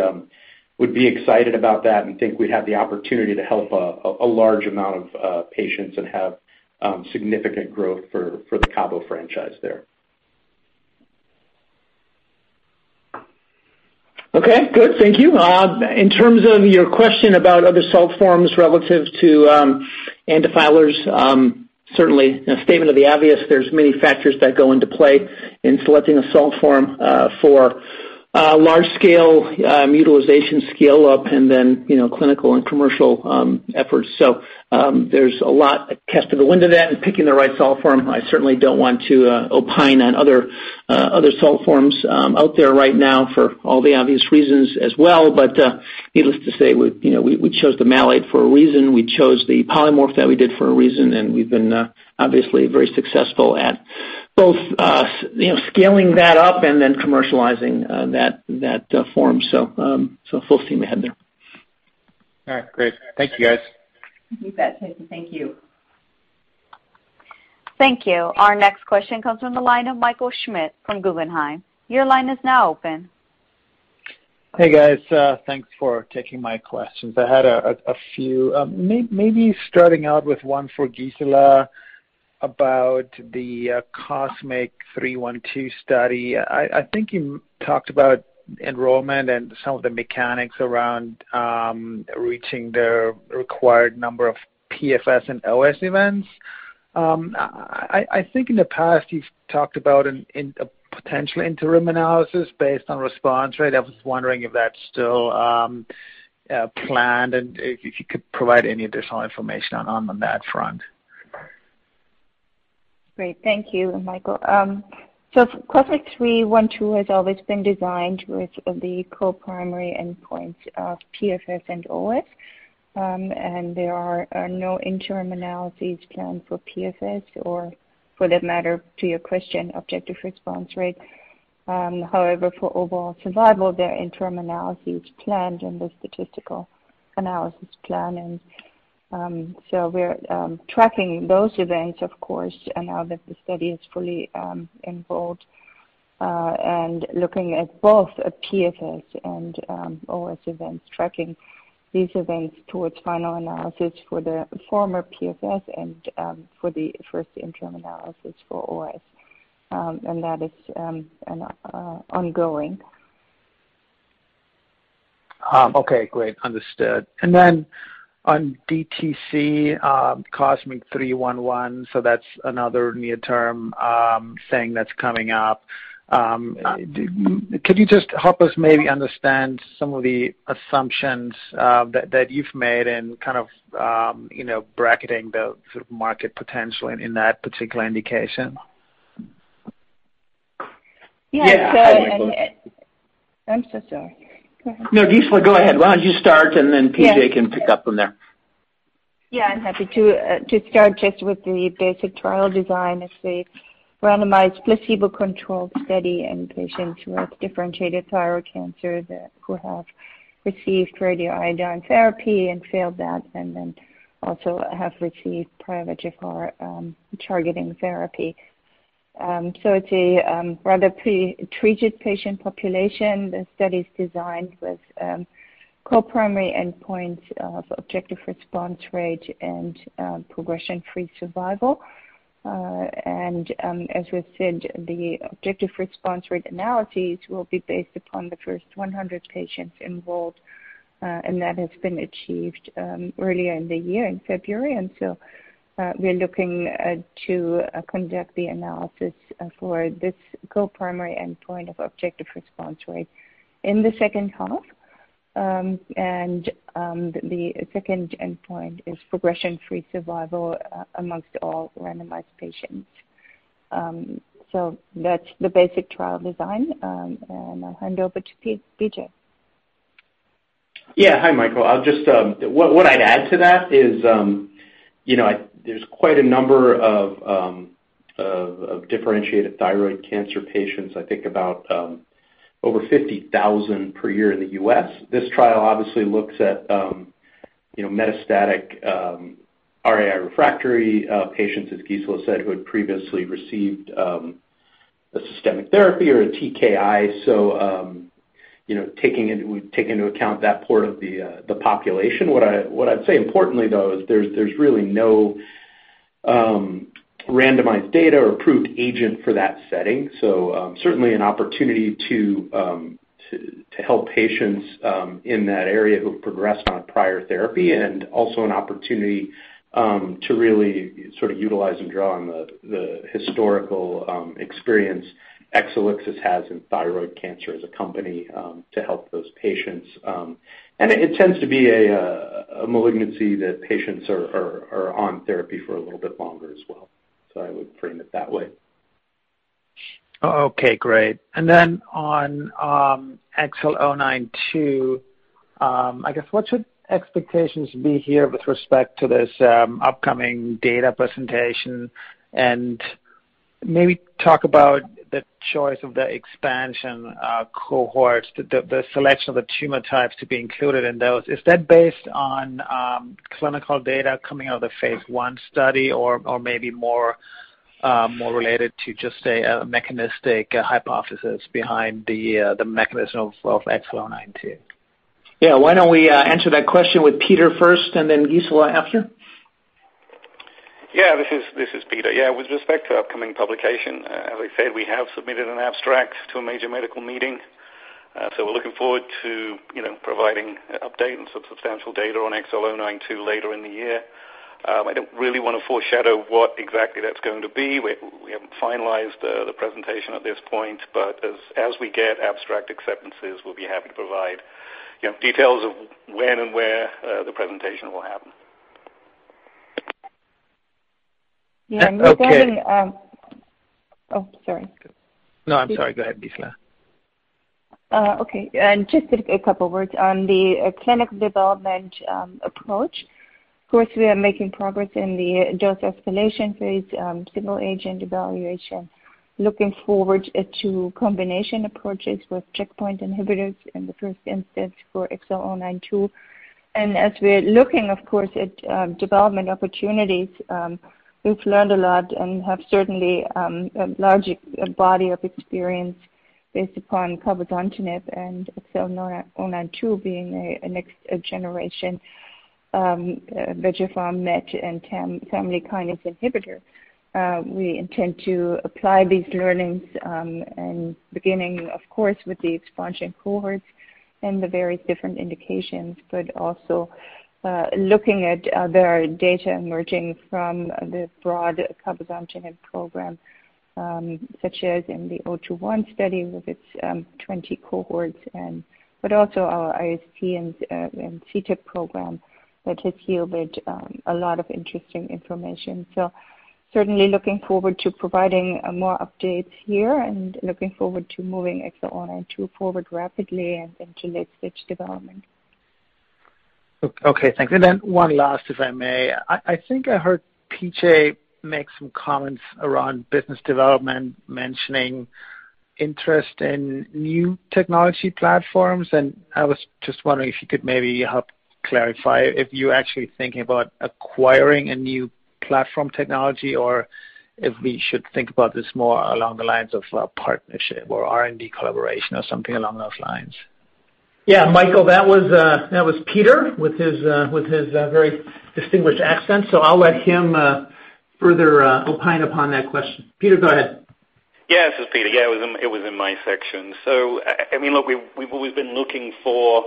would be excited about that and think we'd have the opportunity to help a large amount of patients and have significant growth for the Cabo franchise there. Okay. Good. Thank you. In terms of your question about other salt forms relative to antifilers, certainly a statement of the obvious. There's many factors that go into play in selecting a salt form for large-scale utilization scale-up and then clinical and commercial efforts. So there's a lot that goes into that and picking the right salt form. I certainly don't want to opine on other salt forms out there right now for all the obvious reasons as well. But needless to say, we chose the malate for a reason. We chose the polymorph that we did for a reason, and we've been obviously very successful at both scaling that up and then commercializing that form, so full steam ahead there. All right. Great. Thank you, guys. Thank you, Jason. Thank you. Thank you. Our next question comes from the line of Michael Schmidt from Guggenheim. Your line is now open. Hey, guys. Thanks for taking my questions. I had a few. Maybe starting out with one for Gisela about the COSMIC-312 study. I think you talked about enrollment and some of the mechanics around reaching the required number of PFS and OS events. I think in the past, you've talked about a potential interim analysis based on response, right? I was wondering if that's still planned and if you could provide any additional information on that front. Great. Thank you, Michael, so COSMIC-312 has always been designed with the co-primary endpoints of PFS and OS, and there are no interim analyses planned for PFS or, for that matter, to your question, objective response rate. However, for overall survival, there are interim analyses planned and the statistical analysis planned, and so we're tracking those events, of course, now that the study is fully enrolled and looking at both PFS and OS events, tracking these events towards final analysis for the former PFS and for the first interim analysis for OS, and that is ongoing. Okay. Great. Understood. And then on DTC, COSMIC-311, so that's another near-term thing that's coming up. Could you just help us maybe understand some of the assumptions that you've made in kind of bracketing the market potential in that particular indication? Yeah. So I'm so sorry. Go ahead. No, Gisela, go ahead. Why don't you start, and then PJ can pick up from there. Yeah. I'm happy to start just with the basic trial design. It's a randomized placebo-controlled study in patients with differentiated thyroid cancer who have received radioiodine therapy and failed that and then also have received palliative targeted therapy. So it's a rather pre-treated patient population. The study is designed with co-primary endpoints of objective response rate and progression-free survival. And as we've said, the objective response rate analyses will be based upon the first 100 patients enrolled, and that has been achieved earlier in the year in February. And so we're looking to conduct the analysis for this co-primary endpoint of objective response rate in the second half. And the second endpoint is progression-free survival amongst all randomized patients. So that's the basic trial design. And I'll hand over to P.J. Yeah. Hi, Michael. What I'd add to that is there's quite a number of differentiated thyroid cancer patients. I think about over 50,000 per year in the U.S. This trial obviously looks at metastatic RAI-refractory patients, as Gisela said, who had previously received a systemic therapy or a TKI. So taking into account that part of the population, what I'd say importantly, though, is there's really no randomized data or proven agent for that setting. So certainly an opportunity to help patients in that area who have progressed on prior therapy and also an opportunity to really sort of utilize and draw on the historical experience Exelixis has in thyroid cancer as a company to help those patients. And it tends to be a malignancy that patients are on therapy for a little bit longer as well. So I would frame it that way. Okay. Great. And then on XL092, I guess, what should expectations be here with respect to this upcoming data presentation? And maybe talk about the choice of the expansion cohorts, the selection of the tumor types to be included in those. Is that based on clinical data coming out of the phase 1 study or maybe more related to just a mechanistic hypothesis behind the mechanism of XL092? Yeah. Why don't we answer that question with Peter first and then Gisela after? Yeah. This is Peter. Yeah. With respect to upcoming publication, as I said, we have submitted an abstract to a major medical meeting. So we're looking forward to providing an update and some substantial data on XL092 later in the year. I don't really want to foreshadow what exactly that's going to be. We haven't finalized the presentation at this point. But as we get abstract acceptances, we'll be happy to provide details of when and where the presentation will happen. Yeah, and we're going to. Okay. Oh, sorry. No, I'm sorry. Go ahead, Gisela. Okay. And just a couple of words on the clinical development approach. Of course, we are making progress in the dose escalation phase, single-agent evaluation, looking forward to combination approaches with checkpoint inhibitors in the first instance for XL092. And as we're looking, of course, at development opportunities, we've learned a lot and have certainly a large body of experience based upon cabozantinib and XL092 being a next-generation VEGFR, MET, and family kinases inhibitor. We intend to apply these learnings in the beginning, of course, with the expansion cohorts and the various different indications, but also looking at other data emerging from the broad cabozantinib program, such as in the 021 study with its 20 cohorts, but also our IST and CTEP program that has yielded a lot of interesting information. Certainly looking forward to providing more updates here and looking forward to moving XL092 forward rapidly and into late-stage development. Okay. Thanks. And then one last, if I may. I think I heard PJ make some comments around business development, mentioning interest in new technology platforms. And I was just wondering if you could maybe help clarify if you're actually thinking about acquiring a new platform technology or if we should think about this more along the lines of a partnership or R&D collaboration or something along those lines? Yeah. Michael, that was Peter with his very distinguished accent. So I'll let him further opine upon that question. Peter, go ahead. Yeah. This is Peter. Yeah. It was in my section. So I mean, look, we've always been looking for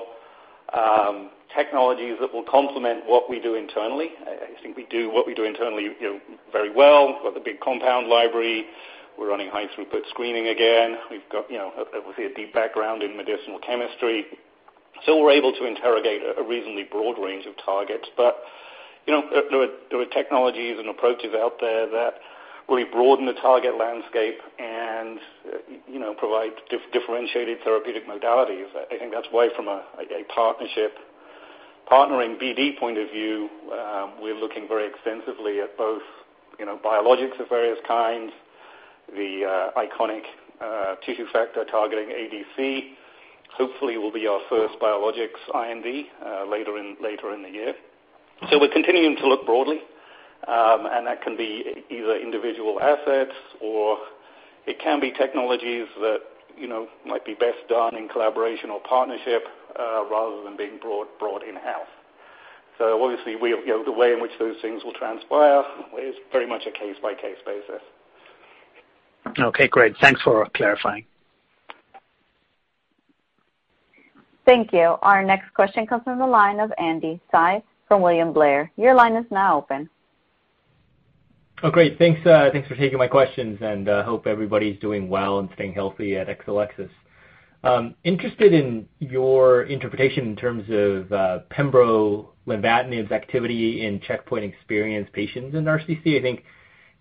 technologies that will complement what we do internally. I think we do what we do internally very well. We've got the big compound library. We're running high-throughput screening again. We've got obviously a deep background in medicinal chemistry. So we're able to interrogate a reasonably broad range of targets. But there are technologies and approaches out there that really broaden the target landscape and provide differentiated therapeutic modalities. I think that's why from a partnership partnering BD point of view, we're looking very extensively at both biologics of various kinds. The Iconic tissue factor-targeting ADC hopefully will be our first biologics IND later in the year. So we're continuing to look broadly. And that can be either individual assets or it can be technologies that might be best done in collaboration or partnership rather than being brought in-house. So obviously, the way in which those things will transpire is very much a case-by-case basis. Okay. Great. Thanks for clarifying. Thank you. Our next question comes from the line of Andy Hsieh from William Blair. Your line is now open. Oh, great. Thanks for taking my questions. And I hope everybody's doing well and staying healthy at Exelixis. Interested in your interpretation in terms of pembrolizumab activity in checkpoint experienced patients in RCC. I think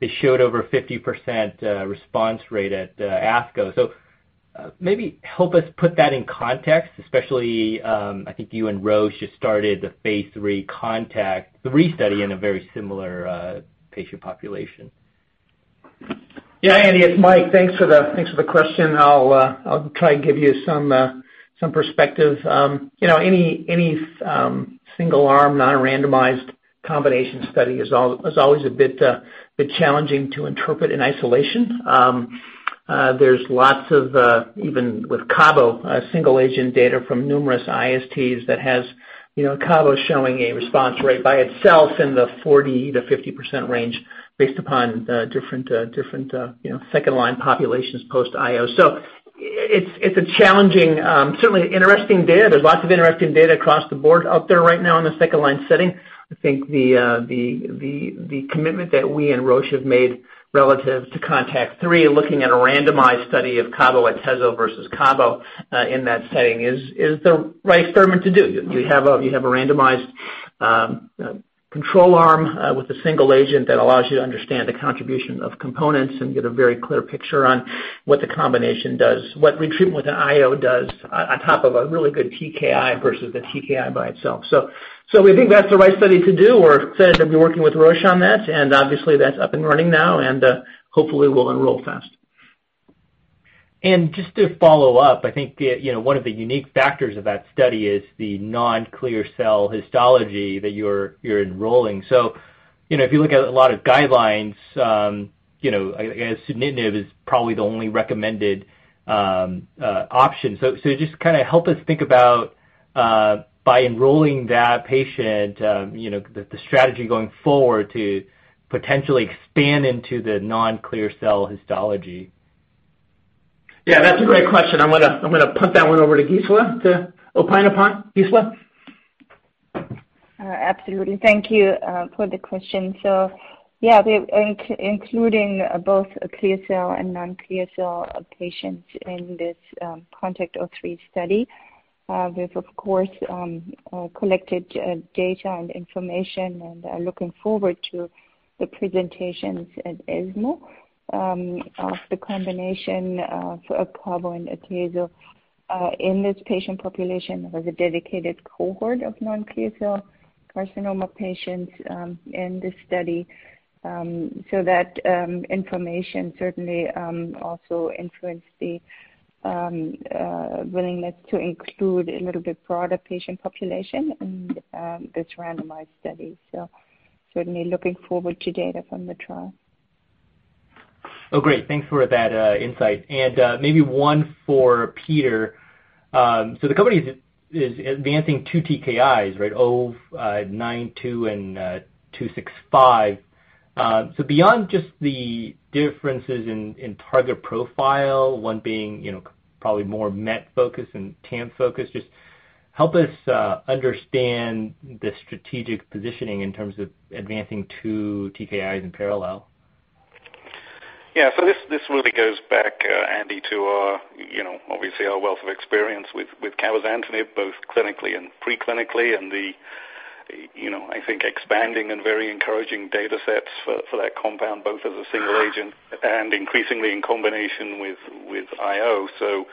it showed over 50% response rate at ASCO. So maybe help us put that in context, especially I think you and Roche just started the phase three CONTACT-03 study in a very similar patient population. Yeah. Andy, it's Mike. Thanks for the question. I'll try and give you some perspective. Any single-arm, non-randomized combination study is always a bit challenging to interpret in isolation. There's lots of even with Cabo, single-agent data from numerous ISTs that has Cabo showing a response rate by itself in the 40%-50% range based upon different second-line populations post-IO. So it's a challenging, certainly interesting data. There's lots of interesting data across the board out there right now in the second-line setting. I think the commitment that we and Roche have made relative to CONTACT-03, looking at a randomized study of Cabo Atezo versus Cabo in that setting, is the right experiment to do. You have a randomized control arm with a single agent that allows you to understand the contribution of components and get a very clear picture on what the combination does, what retreatment with an IO does on top of a really good TKI versus the TKI by itself. So we think that's the right study to do. We're excited to be working with Roche on that. And obviously, that's up and running now. And hopefully, we'll enroll fast. Just to follow up, I think one of the unique factors of that study is the non-clear cell histology that you're enrolling. If you look at a lot of guidelines, I guess sunitinib is probably the only recommended option. Just kind of help us think about, by enrolling that patient, the strategy going forward to potentially expand into the non-clear cell histology. Yeah. That's a great question. I'm going to punt that one over to Gisela to opine upon. Gisela. Absolutely. Thank you for the question. So yeah, including both clear cell and non-clear cell patients in this CONTACT-03 study, we've, of course, collected data and information and are looking forward to the presentations at ESMO of the combination for Cabo and Atezo in this patient population. There was a dedicated cohort of non-clear cell carcinoma patients in this study. So that information certainly also influenced the willingness to include a little bit broader patient population in this randomized study. So certainly looking forward to data from the trial. Oh, great. Thanks for that insight. And maybe one for Peter. So the company is advancing two TKIs, right? XL092 and XL265. So beyond just the differences in target profile, one being probably more MET focus and TAM focus, just help us understand the strategic positioning in terms of advancing two TKIs in parallel. Yeah. So this really goes back, Andy, to obviously our wealth of experience with cabozantinib, both clinically and preclinically, and the, I think, expanding and very encouraging data sets for that compound, both as a single agent and increasingly in combination with IO. So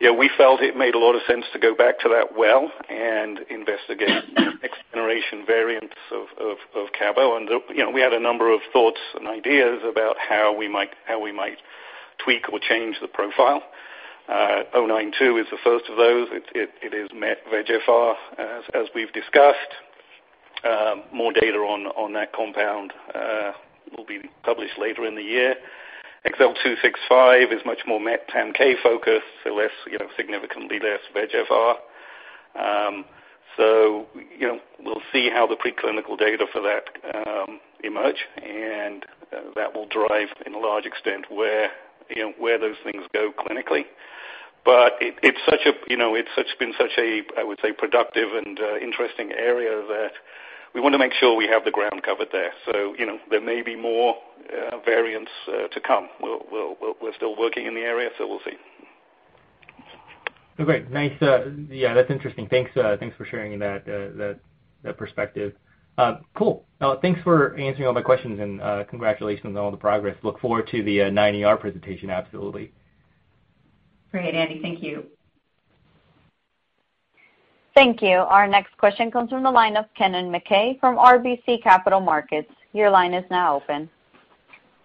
yeah, we felt it made a lot of sense to go back to that well and investigate next-generation variants of Cabo. And we had a number of thoughts and ideas about how we might tweak or change the profile. XL092 is the first of those. It is MET VEGFR, as we've discussed. More data on that compound will be published later in the year. XL265 is much more MET TAM kinase focused, so significantly less VEGFR. So we'll see how the preclinical data for that emerge. And that will drive, to a large extent, where those things go clinically. But it's been such a, I would say, productive and interesting area that we want to make sure we have the ground covered there. So there may be more variants to come. We're still working in the area, so we'll see. Oh, great. Yeah. That's interesting. Thanks for sharing that perspective. Cool. Thanks for answering all my questions. And congratulations on all the progress. Look forward to the 9ER presentation, absolutely. Great, Andy. Thank you. Thank you. Our next question comes from the line of Kennen MacKay from RBC Capital Markets. Your line is now open.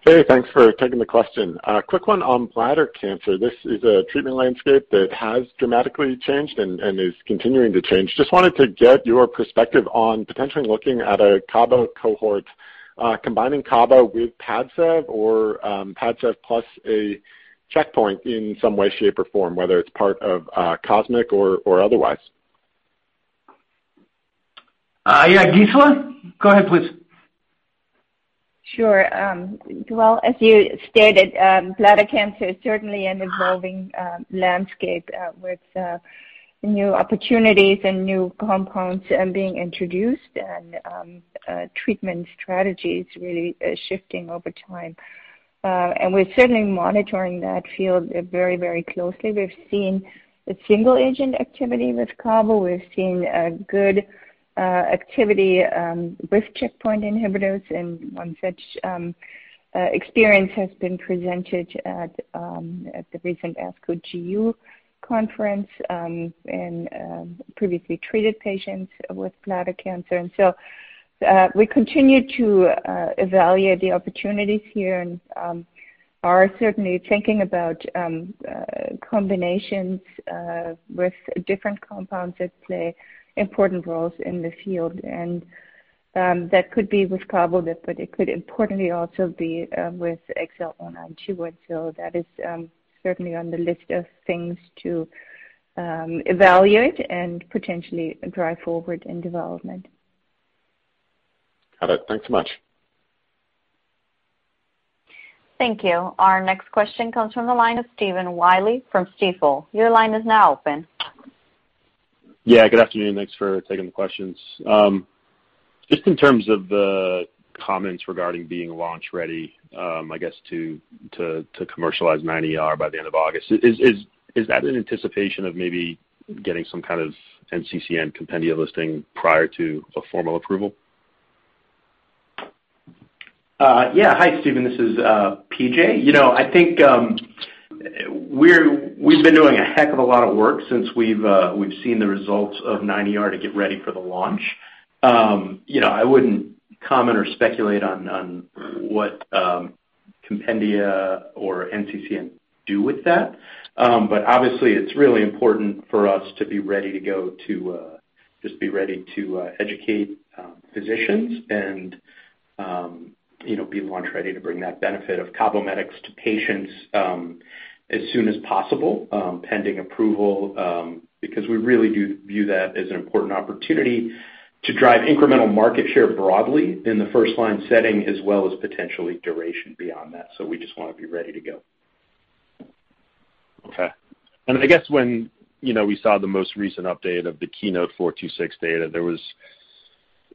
Hey. Thanks for taking the question. Quick one on bladder cancer. This is a treatment landscape that has dramatically changed and is continuing to change. Just wanted to get your perspective on potentially looking at a Cabo cohort, combining Cabo with PADCEV or PADCEV plus a checkpoint in some way, shape, or form, whether it's part of COSMIC or otherwise. Yeah. Gisela, go ahead, please. Sure. As you stated, bladder cancer is certainly an evolving landscape with new opportunities and new compounds being introduced and treatment strategies really shifting over time. We're certainly monitoring that field very, very closely. We've seen a single-agent activity with Cabo. We've seen good activity with checkpoint inhibitors. One such experience has been presented at the recent ASCO GU conference in previously treated patients with bladder cancer. We continue to evaluate the opportunities here and are certainly thinking about combinations with different compounds that play important roles in the field. That could be with Cabo, but it could importantly also be with XL092. That is certainly on the list of things to evaluate and potentially drive forward in development. Got it. Thanks so much. Thank you. Our next question comes from the line of Stephen Willey from Stifel. Your line is now open. Yeah. Good afternoon. Thanks for taking the questions. Just in terms of the comments regarding being launch ready, I guess, to commercialize 9ER by the end of August, is that in anticipation of maybe getting some kind of NCCN compendia listing prior to a formal approval? Yeah. Hi, Stephen. This is PJ. I think we've been doing a heck of a lot of work since we've seen the results of 9ER to get ready for the launch. I wouldn't comment or speculate on what compendia or NCCN do with that. But obviously, it's really important for us to be ready to go to just be ready to educate physicians and be launch ready to bring that benefit of CABOMETYX to patients as soon as possible pending approval because we really do view that as an important opportunity to drive incremental market share broadly in the first-line setting as well as potentially duration beyond that. So we just want to be ready to go. Okay. And I guess when we saw the most recent update of the KEYNOTE-426 data, there was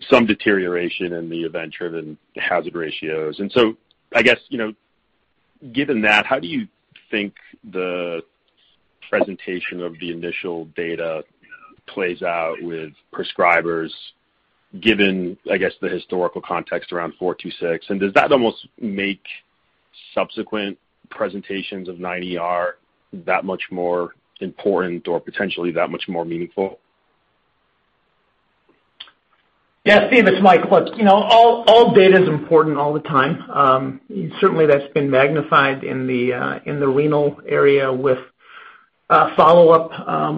some deterioration in the event-driven hazard ratios. And so I guess given that, how do you think the presentation of the initial data plays out with prescribers given, I guess, the historical context around 426? And does that almost make subsequent presentations of 9ER that much more important or potentially that much more meaningful? Yeah. Steve, it's Mike. Look, all data is important all the time. Certainly, that's been magnified in the renal area with follow-up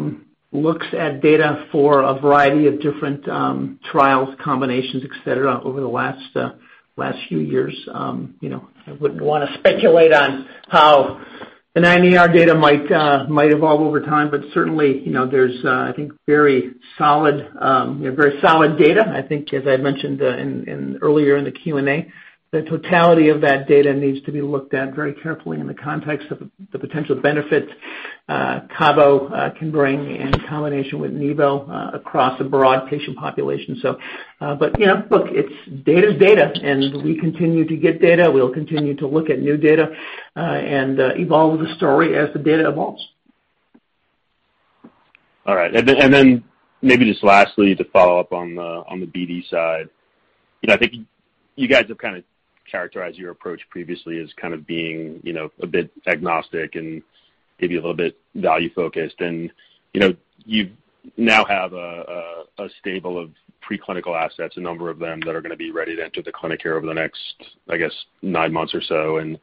looks at data for a variety of different trials, combinations, etc., over the last few years. I wouldn't want to speculate on how the 9ER data might evolve over time. But certainly, there's, I think, very solid data. I think, as I mentioned earlier in the Q&A, the totality of that data needs to be looked at very carefully in the context of the potential benefits Cabo can bring in combination with nivo across a broad patient population. But look, data is data. And we continue to get data. We'll continue to look at new data and evolve the story as the data evolves. All right. And then maybe just lastly, to follow up on the BD side, I think you guys have kind of characterized your approach previously as kind of being a bit agnostic and maybe a little bit value-focused. And you now have a stable of preclinical assets, a number of them that are going to be ready to enter the clinic here over the next, I guess, nine months or so. And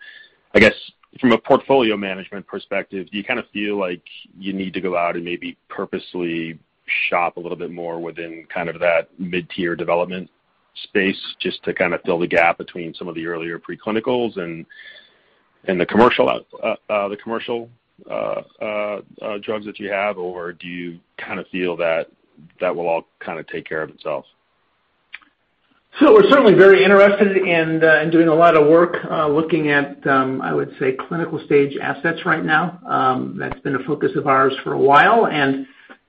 I guess from a portfolio management perspective, do you kind of feel like you need to go out and maybe purposely shop a little bit more within kind of that mid-tier development space just to kind of fill the gap between some of the earlier preclinicals and the commercial drugs that you have? Or do you kind of feel that that will all kind of take care of itself? So we're certainly very interested in doing a lot of work looking at, I would say, clinical-stage assets right now. That's been a focus of ours for a while. And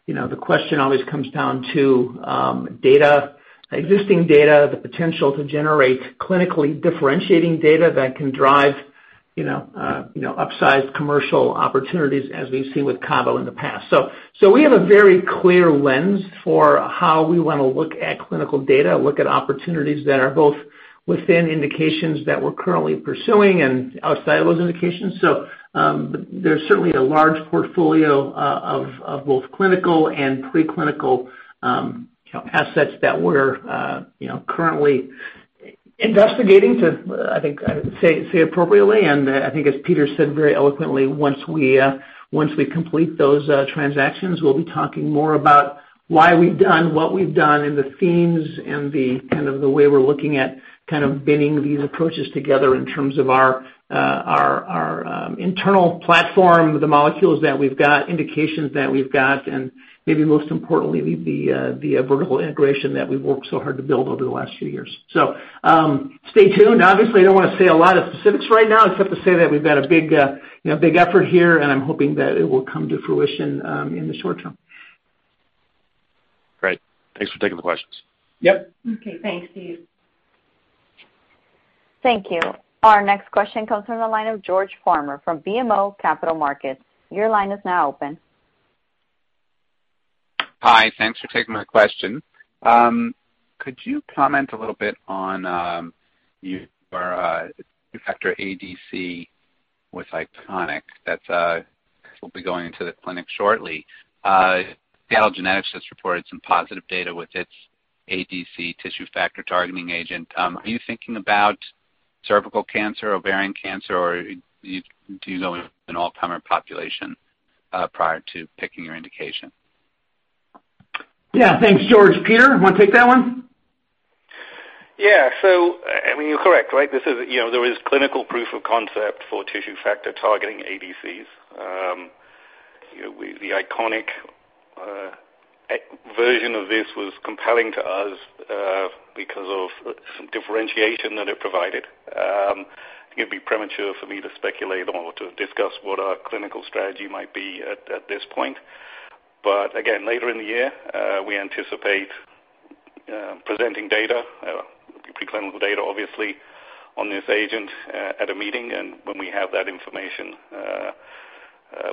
the question always comes down to data, existing data, the potential to generate clinically differentiating data that can drive upsized commercial opportunities as we've seen with Cabo in the past. So we have a very clear lens for how we want to look at clinical data, look at opportunities that are both within indications that we're currently pursuing and outside of those indications. So there's certainly a large portfolio of both clinical and preclinical assets that we're currently investigating to, I think, say appropriately. I think, as Peter said very eloquently, once we complete those transactions, we'll be talking more about why we've done what we've done and the themes and kind of the way we're looking at kind of binding these approaches together in terms of our internal platform, the molecules that we've got, indications that we've got, and maybe most importantly, the vertical integration that we've worked so hard to build over the last few years. Stay tuned. Obviously, I don't want to say a lot of specifics right now except to say that we've got a big effort here. I'm hoping that it will come to fruition in the short term. Great. Thanks for taking the questions. Yep. Okay. Thanks, Steve. Thank you. Our next question comes from the line of George Farmer from BMO Capital Markets. Your line is now open. Hi. Thanks for taking my question. Could you comment a little bit on your tissue factor ADC with Iconic that will be going into the clinic shortly? Seattle Genetics has reported some positive data with its ADC tissue factor targeting agent. Are you thinking about cervical cancer, ovarian cancer, or do you go into an all-primary population prior to picking your indication? Yeah. Thanks, George. Peter, you want to take that one? Yeah. So I mean, you're correct, right? There is clinical proof of concept for tissue factor targeting ADCs. The Iconic version of this was compelling to us because of some differentiation that it provided. It'd be premature for me to speculate or to discuss what our clinical strategy might be at this point. But again, later in the year, we anticipate presenting data, preclinical data, obviously, on this agent at a meeting. And when we have that information,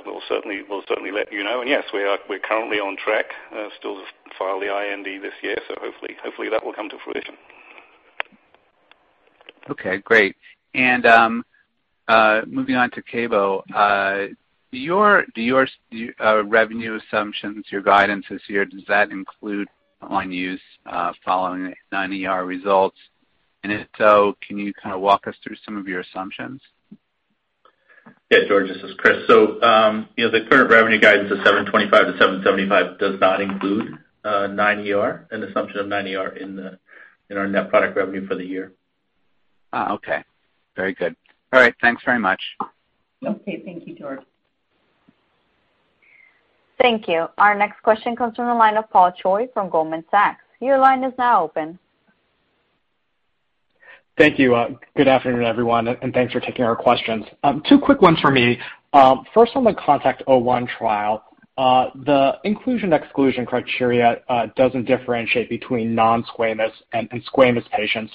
we'll certainly let you know. And yes, we're currently on track. Still to file the IND this year. So hopefully, that will come to fruition. Okay. Great. And moving on to Cabo, do your revenue assumptions, your guidance this year, does that include on use following 9ER results? And if so, can you kind of walk us through some of your assumptions? Yeah. George, this is Chris. So the current revenue guidance of $725 million to $775 million does not include 9ER, an assumption of 9ER in our net product revenue for the year. Okay. Very good. All right. Thanks very much. Okay. Thank you, George. Thank you. Our next question comes from the line of Paul Choi from Goldman Sachs. Your line is now open. Thank you. Good afternoon, everyone. And thanks for taking our questions. Two quick ones for me. First, on the CONTACT-01 trial, the inclusion/exclusion criteria doesn't differentiate between non-squamous and squamous patients.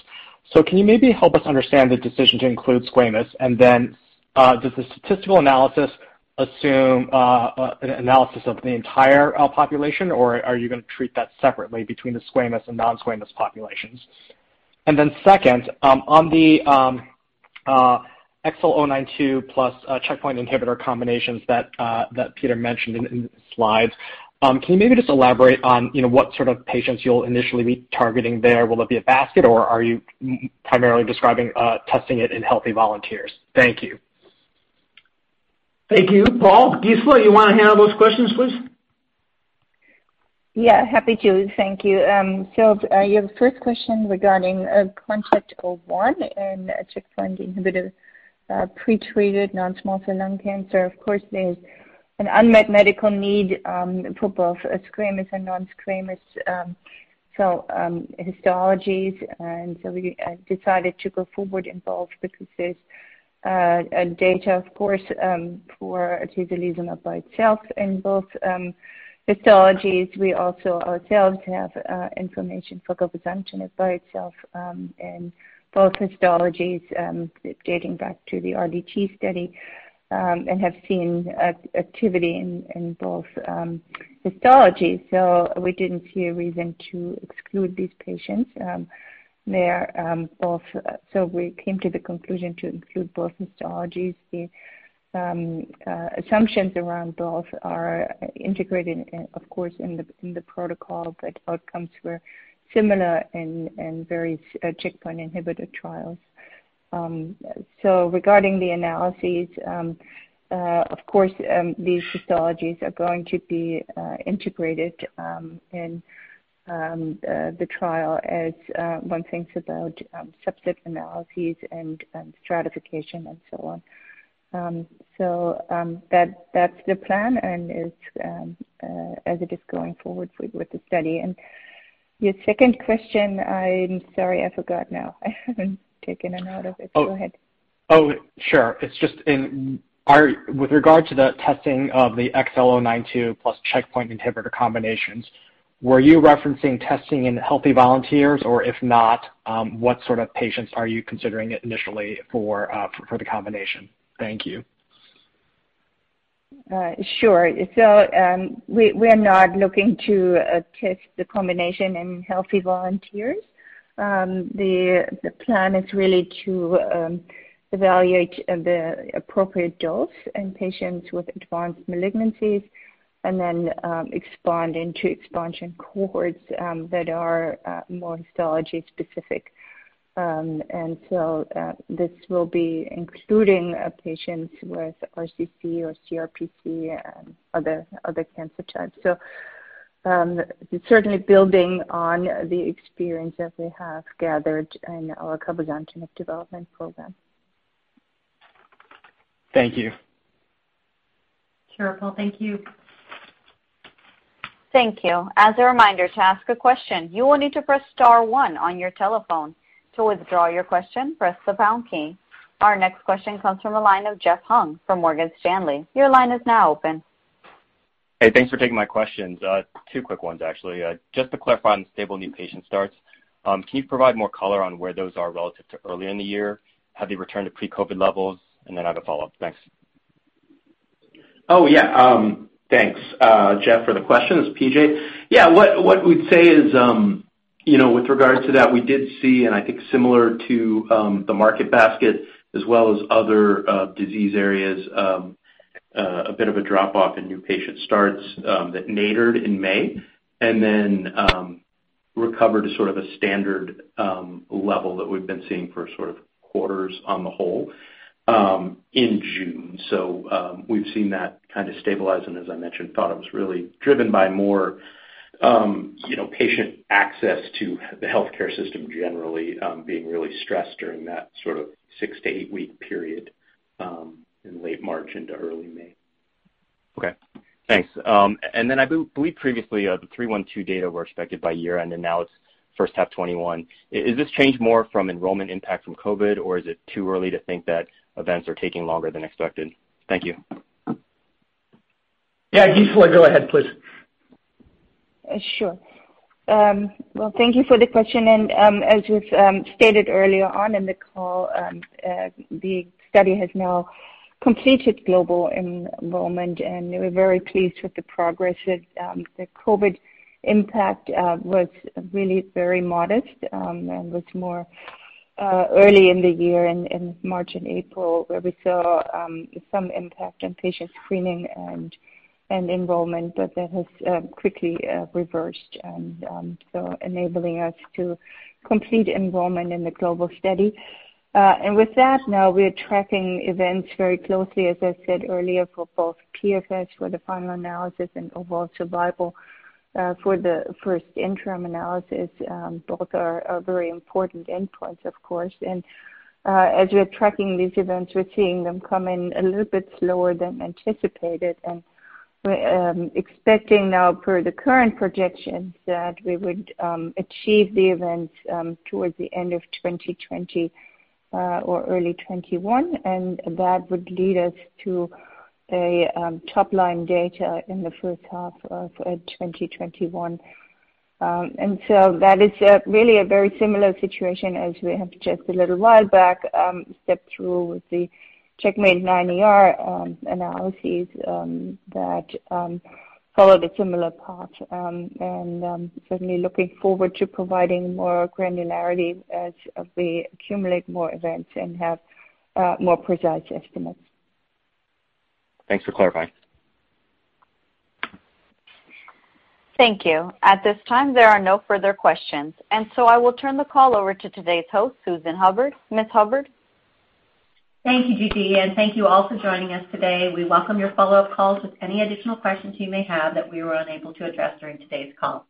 So can you maybe help us understand the decision to include squamous? And then does the statistical analysis assume an analysis of the entire population, or are you going to treat that separately between the squamous and non-squamous populations? And then second, on the XL092 plus checkpoint inhibitor combinations that Peter mentioned in the slides, can you maybe just elaborate on what sort of patients you'll initially be targeting there? Will it be a basket, or are you primarily describing testing it in healthy volunteers? Thank you. Thank you. Paul, Gisela, you want to handle those questions, please? Yeah. Happy to. Thank you, so your first question regarding CONTACT-01 and checkpoint inhibitor pretreated non-small cell lung cancer, of course, there's an unmet medical need for both squamous and non-squamous cell histologies, and so we decided to go forward in both because there's data, of course, for atezolizumab by itself in both histologies. We also ourselves have information for cabozantinib by itself in both histologies dating back to the RDT study and have seen activity in both histologies, so we didn't see a reason to exclude these patients, so we came to the conclusion to include both histologies. The assumptions around both are integrated, of course, in the protocol, but outcomes were similar in various checkpoint inhibitor trials, so regarding the analyses, of course, these histologies are going to be integrated in the trial as one thinks about subset analyses and stratification and so on. So that's the plan as it is going forward with the study. And your second question, I'm sorry, I forgot now. I haven't taken a note of it. Go ahead. Oh, sure. It's just with regard to the testing of the XL092 plus checkpoint inhibitor combinations, were you referencing testing in healthy volunteers? Or if not, what sort of patients are you considering initially for the combination? Thank you. Sure. So we are not looking to test the combination in healthy volunteers. The plan is really to evaluate the appropriate dose in patients with advanced malignancies and then expand into expansion cohorts that are more histology-specific. And so this will be including patients with RCC or CRPC and other cancer types. So certainly building on the experience that we have gathered in our cabozantinib development program. Thank you. Sure. Paul, thank you. Thank you. As a reminder to ask a question, you will need to press star one on your telephone. To withdraw your question, press the pound key. Our next question comes from the line of Jeff Hung from Morgan Stanley. Your line is now open. Hey, thanks for taking my questions. Two quick ones, actually. Just to clarify on the stable new patient starts, can you provide more color on where those are relative to earlier in the year? Have they returned to pre-COVID levels? And then I have a follow-up. Thanks. Oh, yeah. Thanks, Jeff, for the questions. PJ, yeah, what we'd say is with regard to that, we did see, and I think similar to the market basket as well as other disease areas, a bit of a drop-off in new patient starts that nadir'd in May and then recovered to sort of a standard level that we've been seeing for sort of quarters on the whole in June. So we've seen that kind of stabilize. And as I mentioned, thought it was really driven by more patient access to the healthcare system generally being really stressed during that sort of six-to-eight-week period in late March into early May. Okay. Thanks. And then I believe previously the 312 data were expected by year-end, and now it's first half 2021. Is this change more from enrollment impact from COVID, or is it too early to think that events are taking longer than expected? Thank you. Yeah. Gisela, go ahead, please. Sure. Thank you for the question. As we've stated earlier on in the call, the study has now completed global enrollment. We're very pleased with the progress. The COVID impact was really very modest and was more early in the year in March and April where we saw some impact on patient screening and enrollment, but that has quickly reversed, so enabling us to complete enrollment in the global study. With that, now we're tracking events very closely, as I said earlier, for both PFS for the final analysis and overall survival for the first interim analysis. Both are very important endpoints, of course. As we're tracking these events, we're seeing them come in a little bit slower than anticipated. We're expecting now, per the current projections, that we would achieve the events towards the end of 2020 or early 2021. And that would lead us to a top-line data in the first half of 2021. And so that is really a very similar situation as we had just a little while back step through with the CheckMate 9ER analyses that followed a similar path. And certainly looking forward to providing more granularity as we accumulate more events and have more precise estimates. Thanks for clarifying. Thank you. At this time, there are no further questions. And so I will turn the call over to today's host, Susan Hubbard. Ms. Hubbard. Thank you, Gigi. And thank you all for joining us today. We welcome your follow-up calls with any additional questions you may have that we were unable to address during today's call.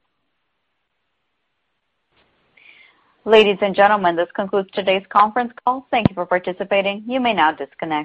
Ladies and gentlemen, this concludes today's conference call. Thank you for participating. You may now disconnect.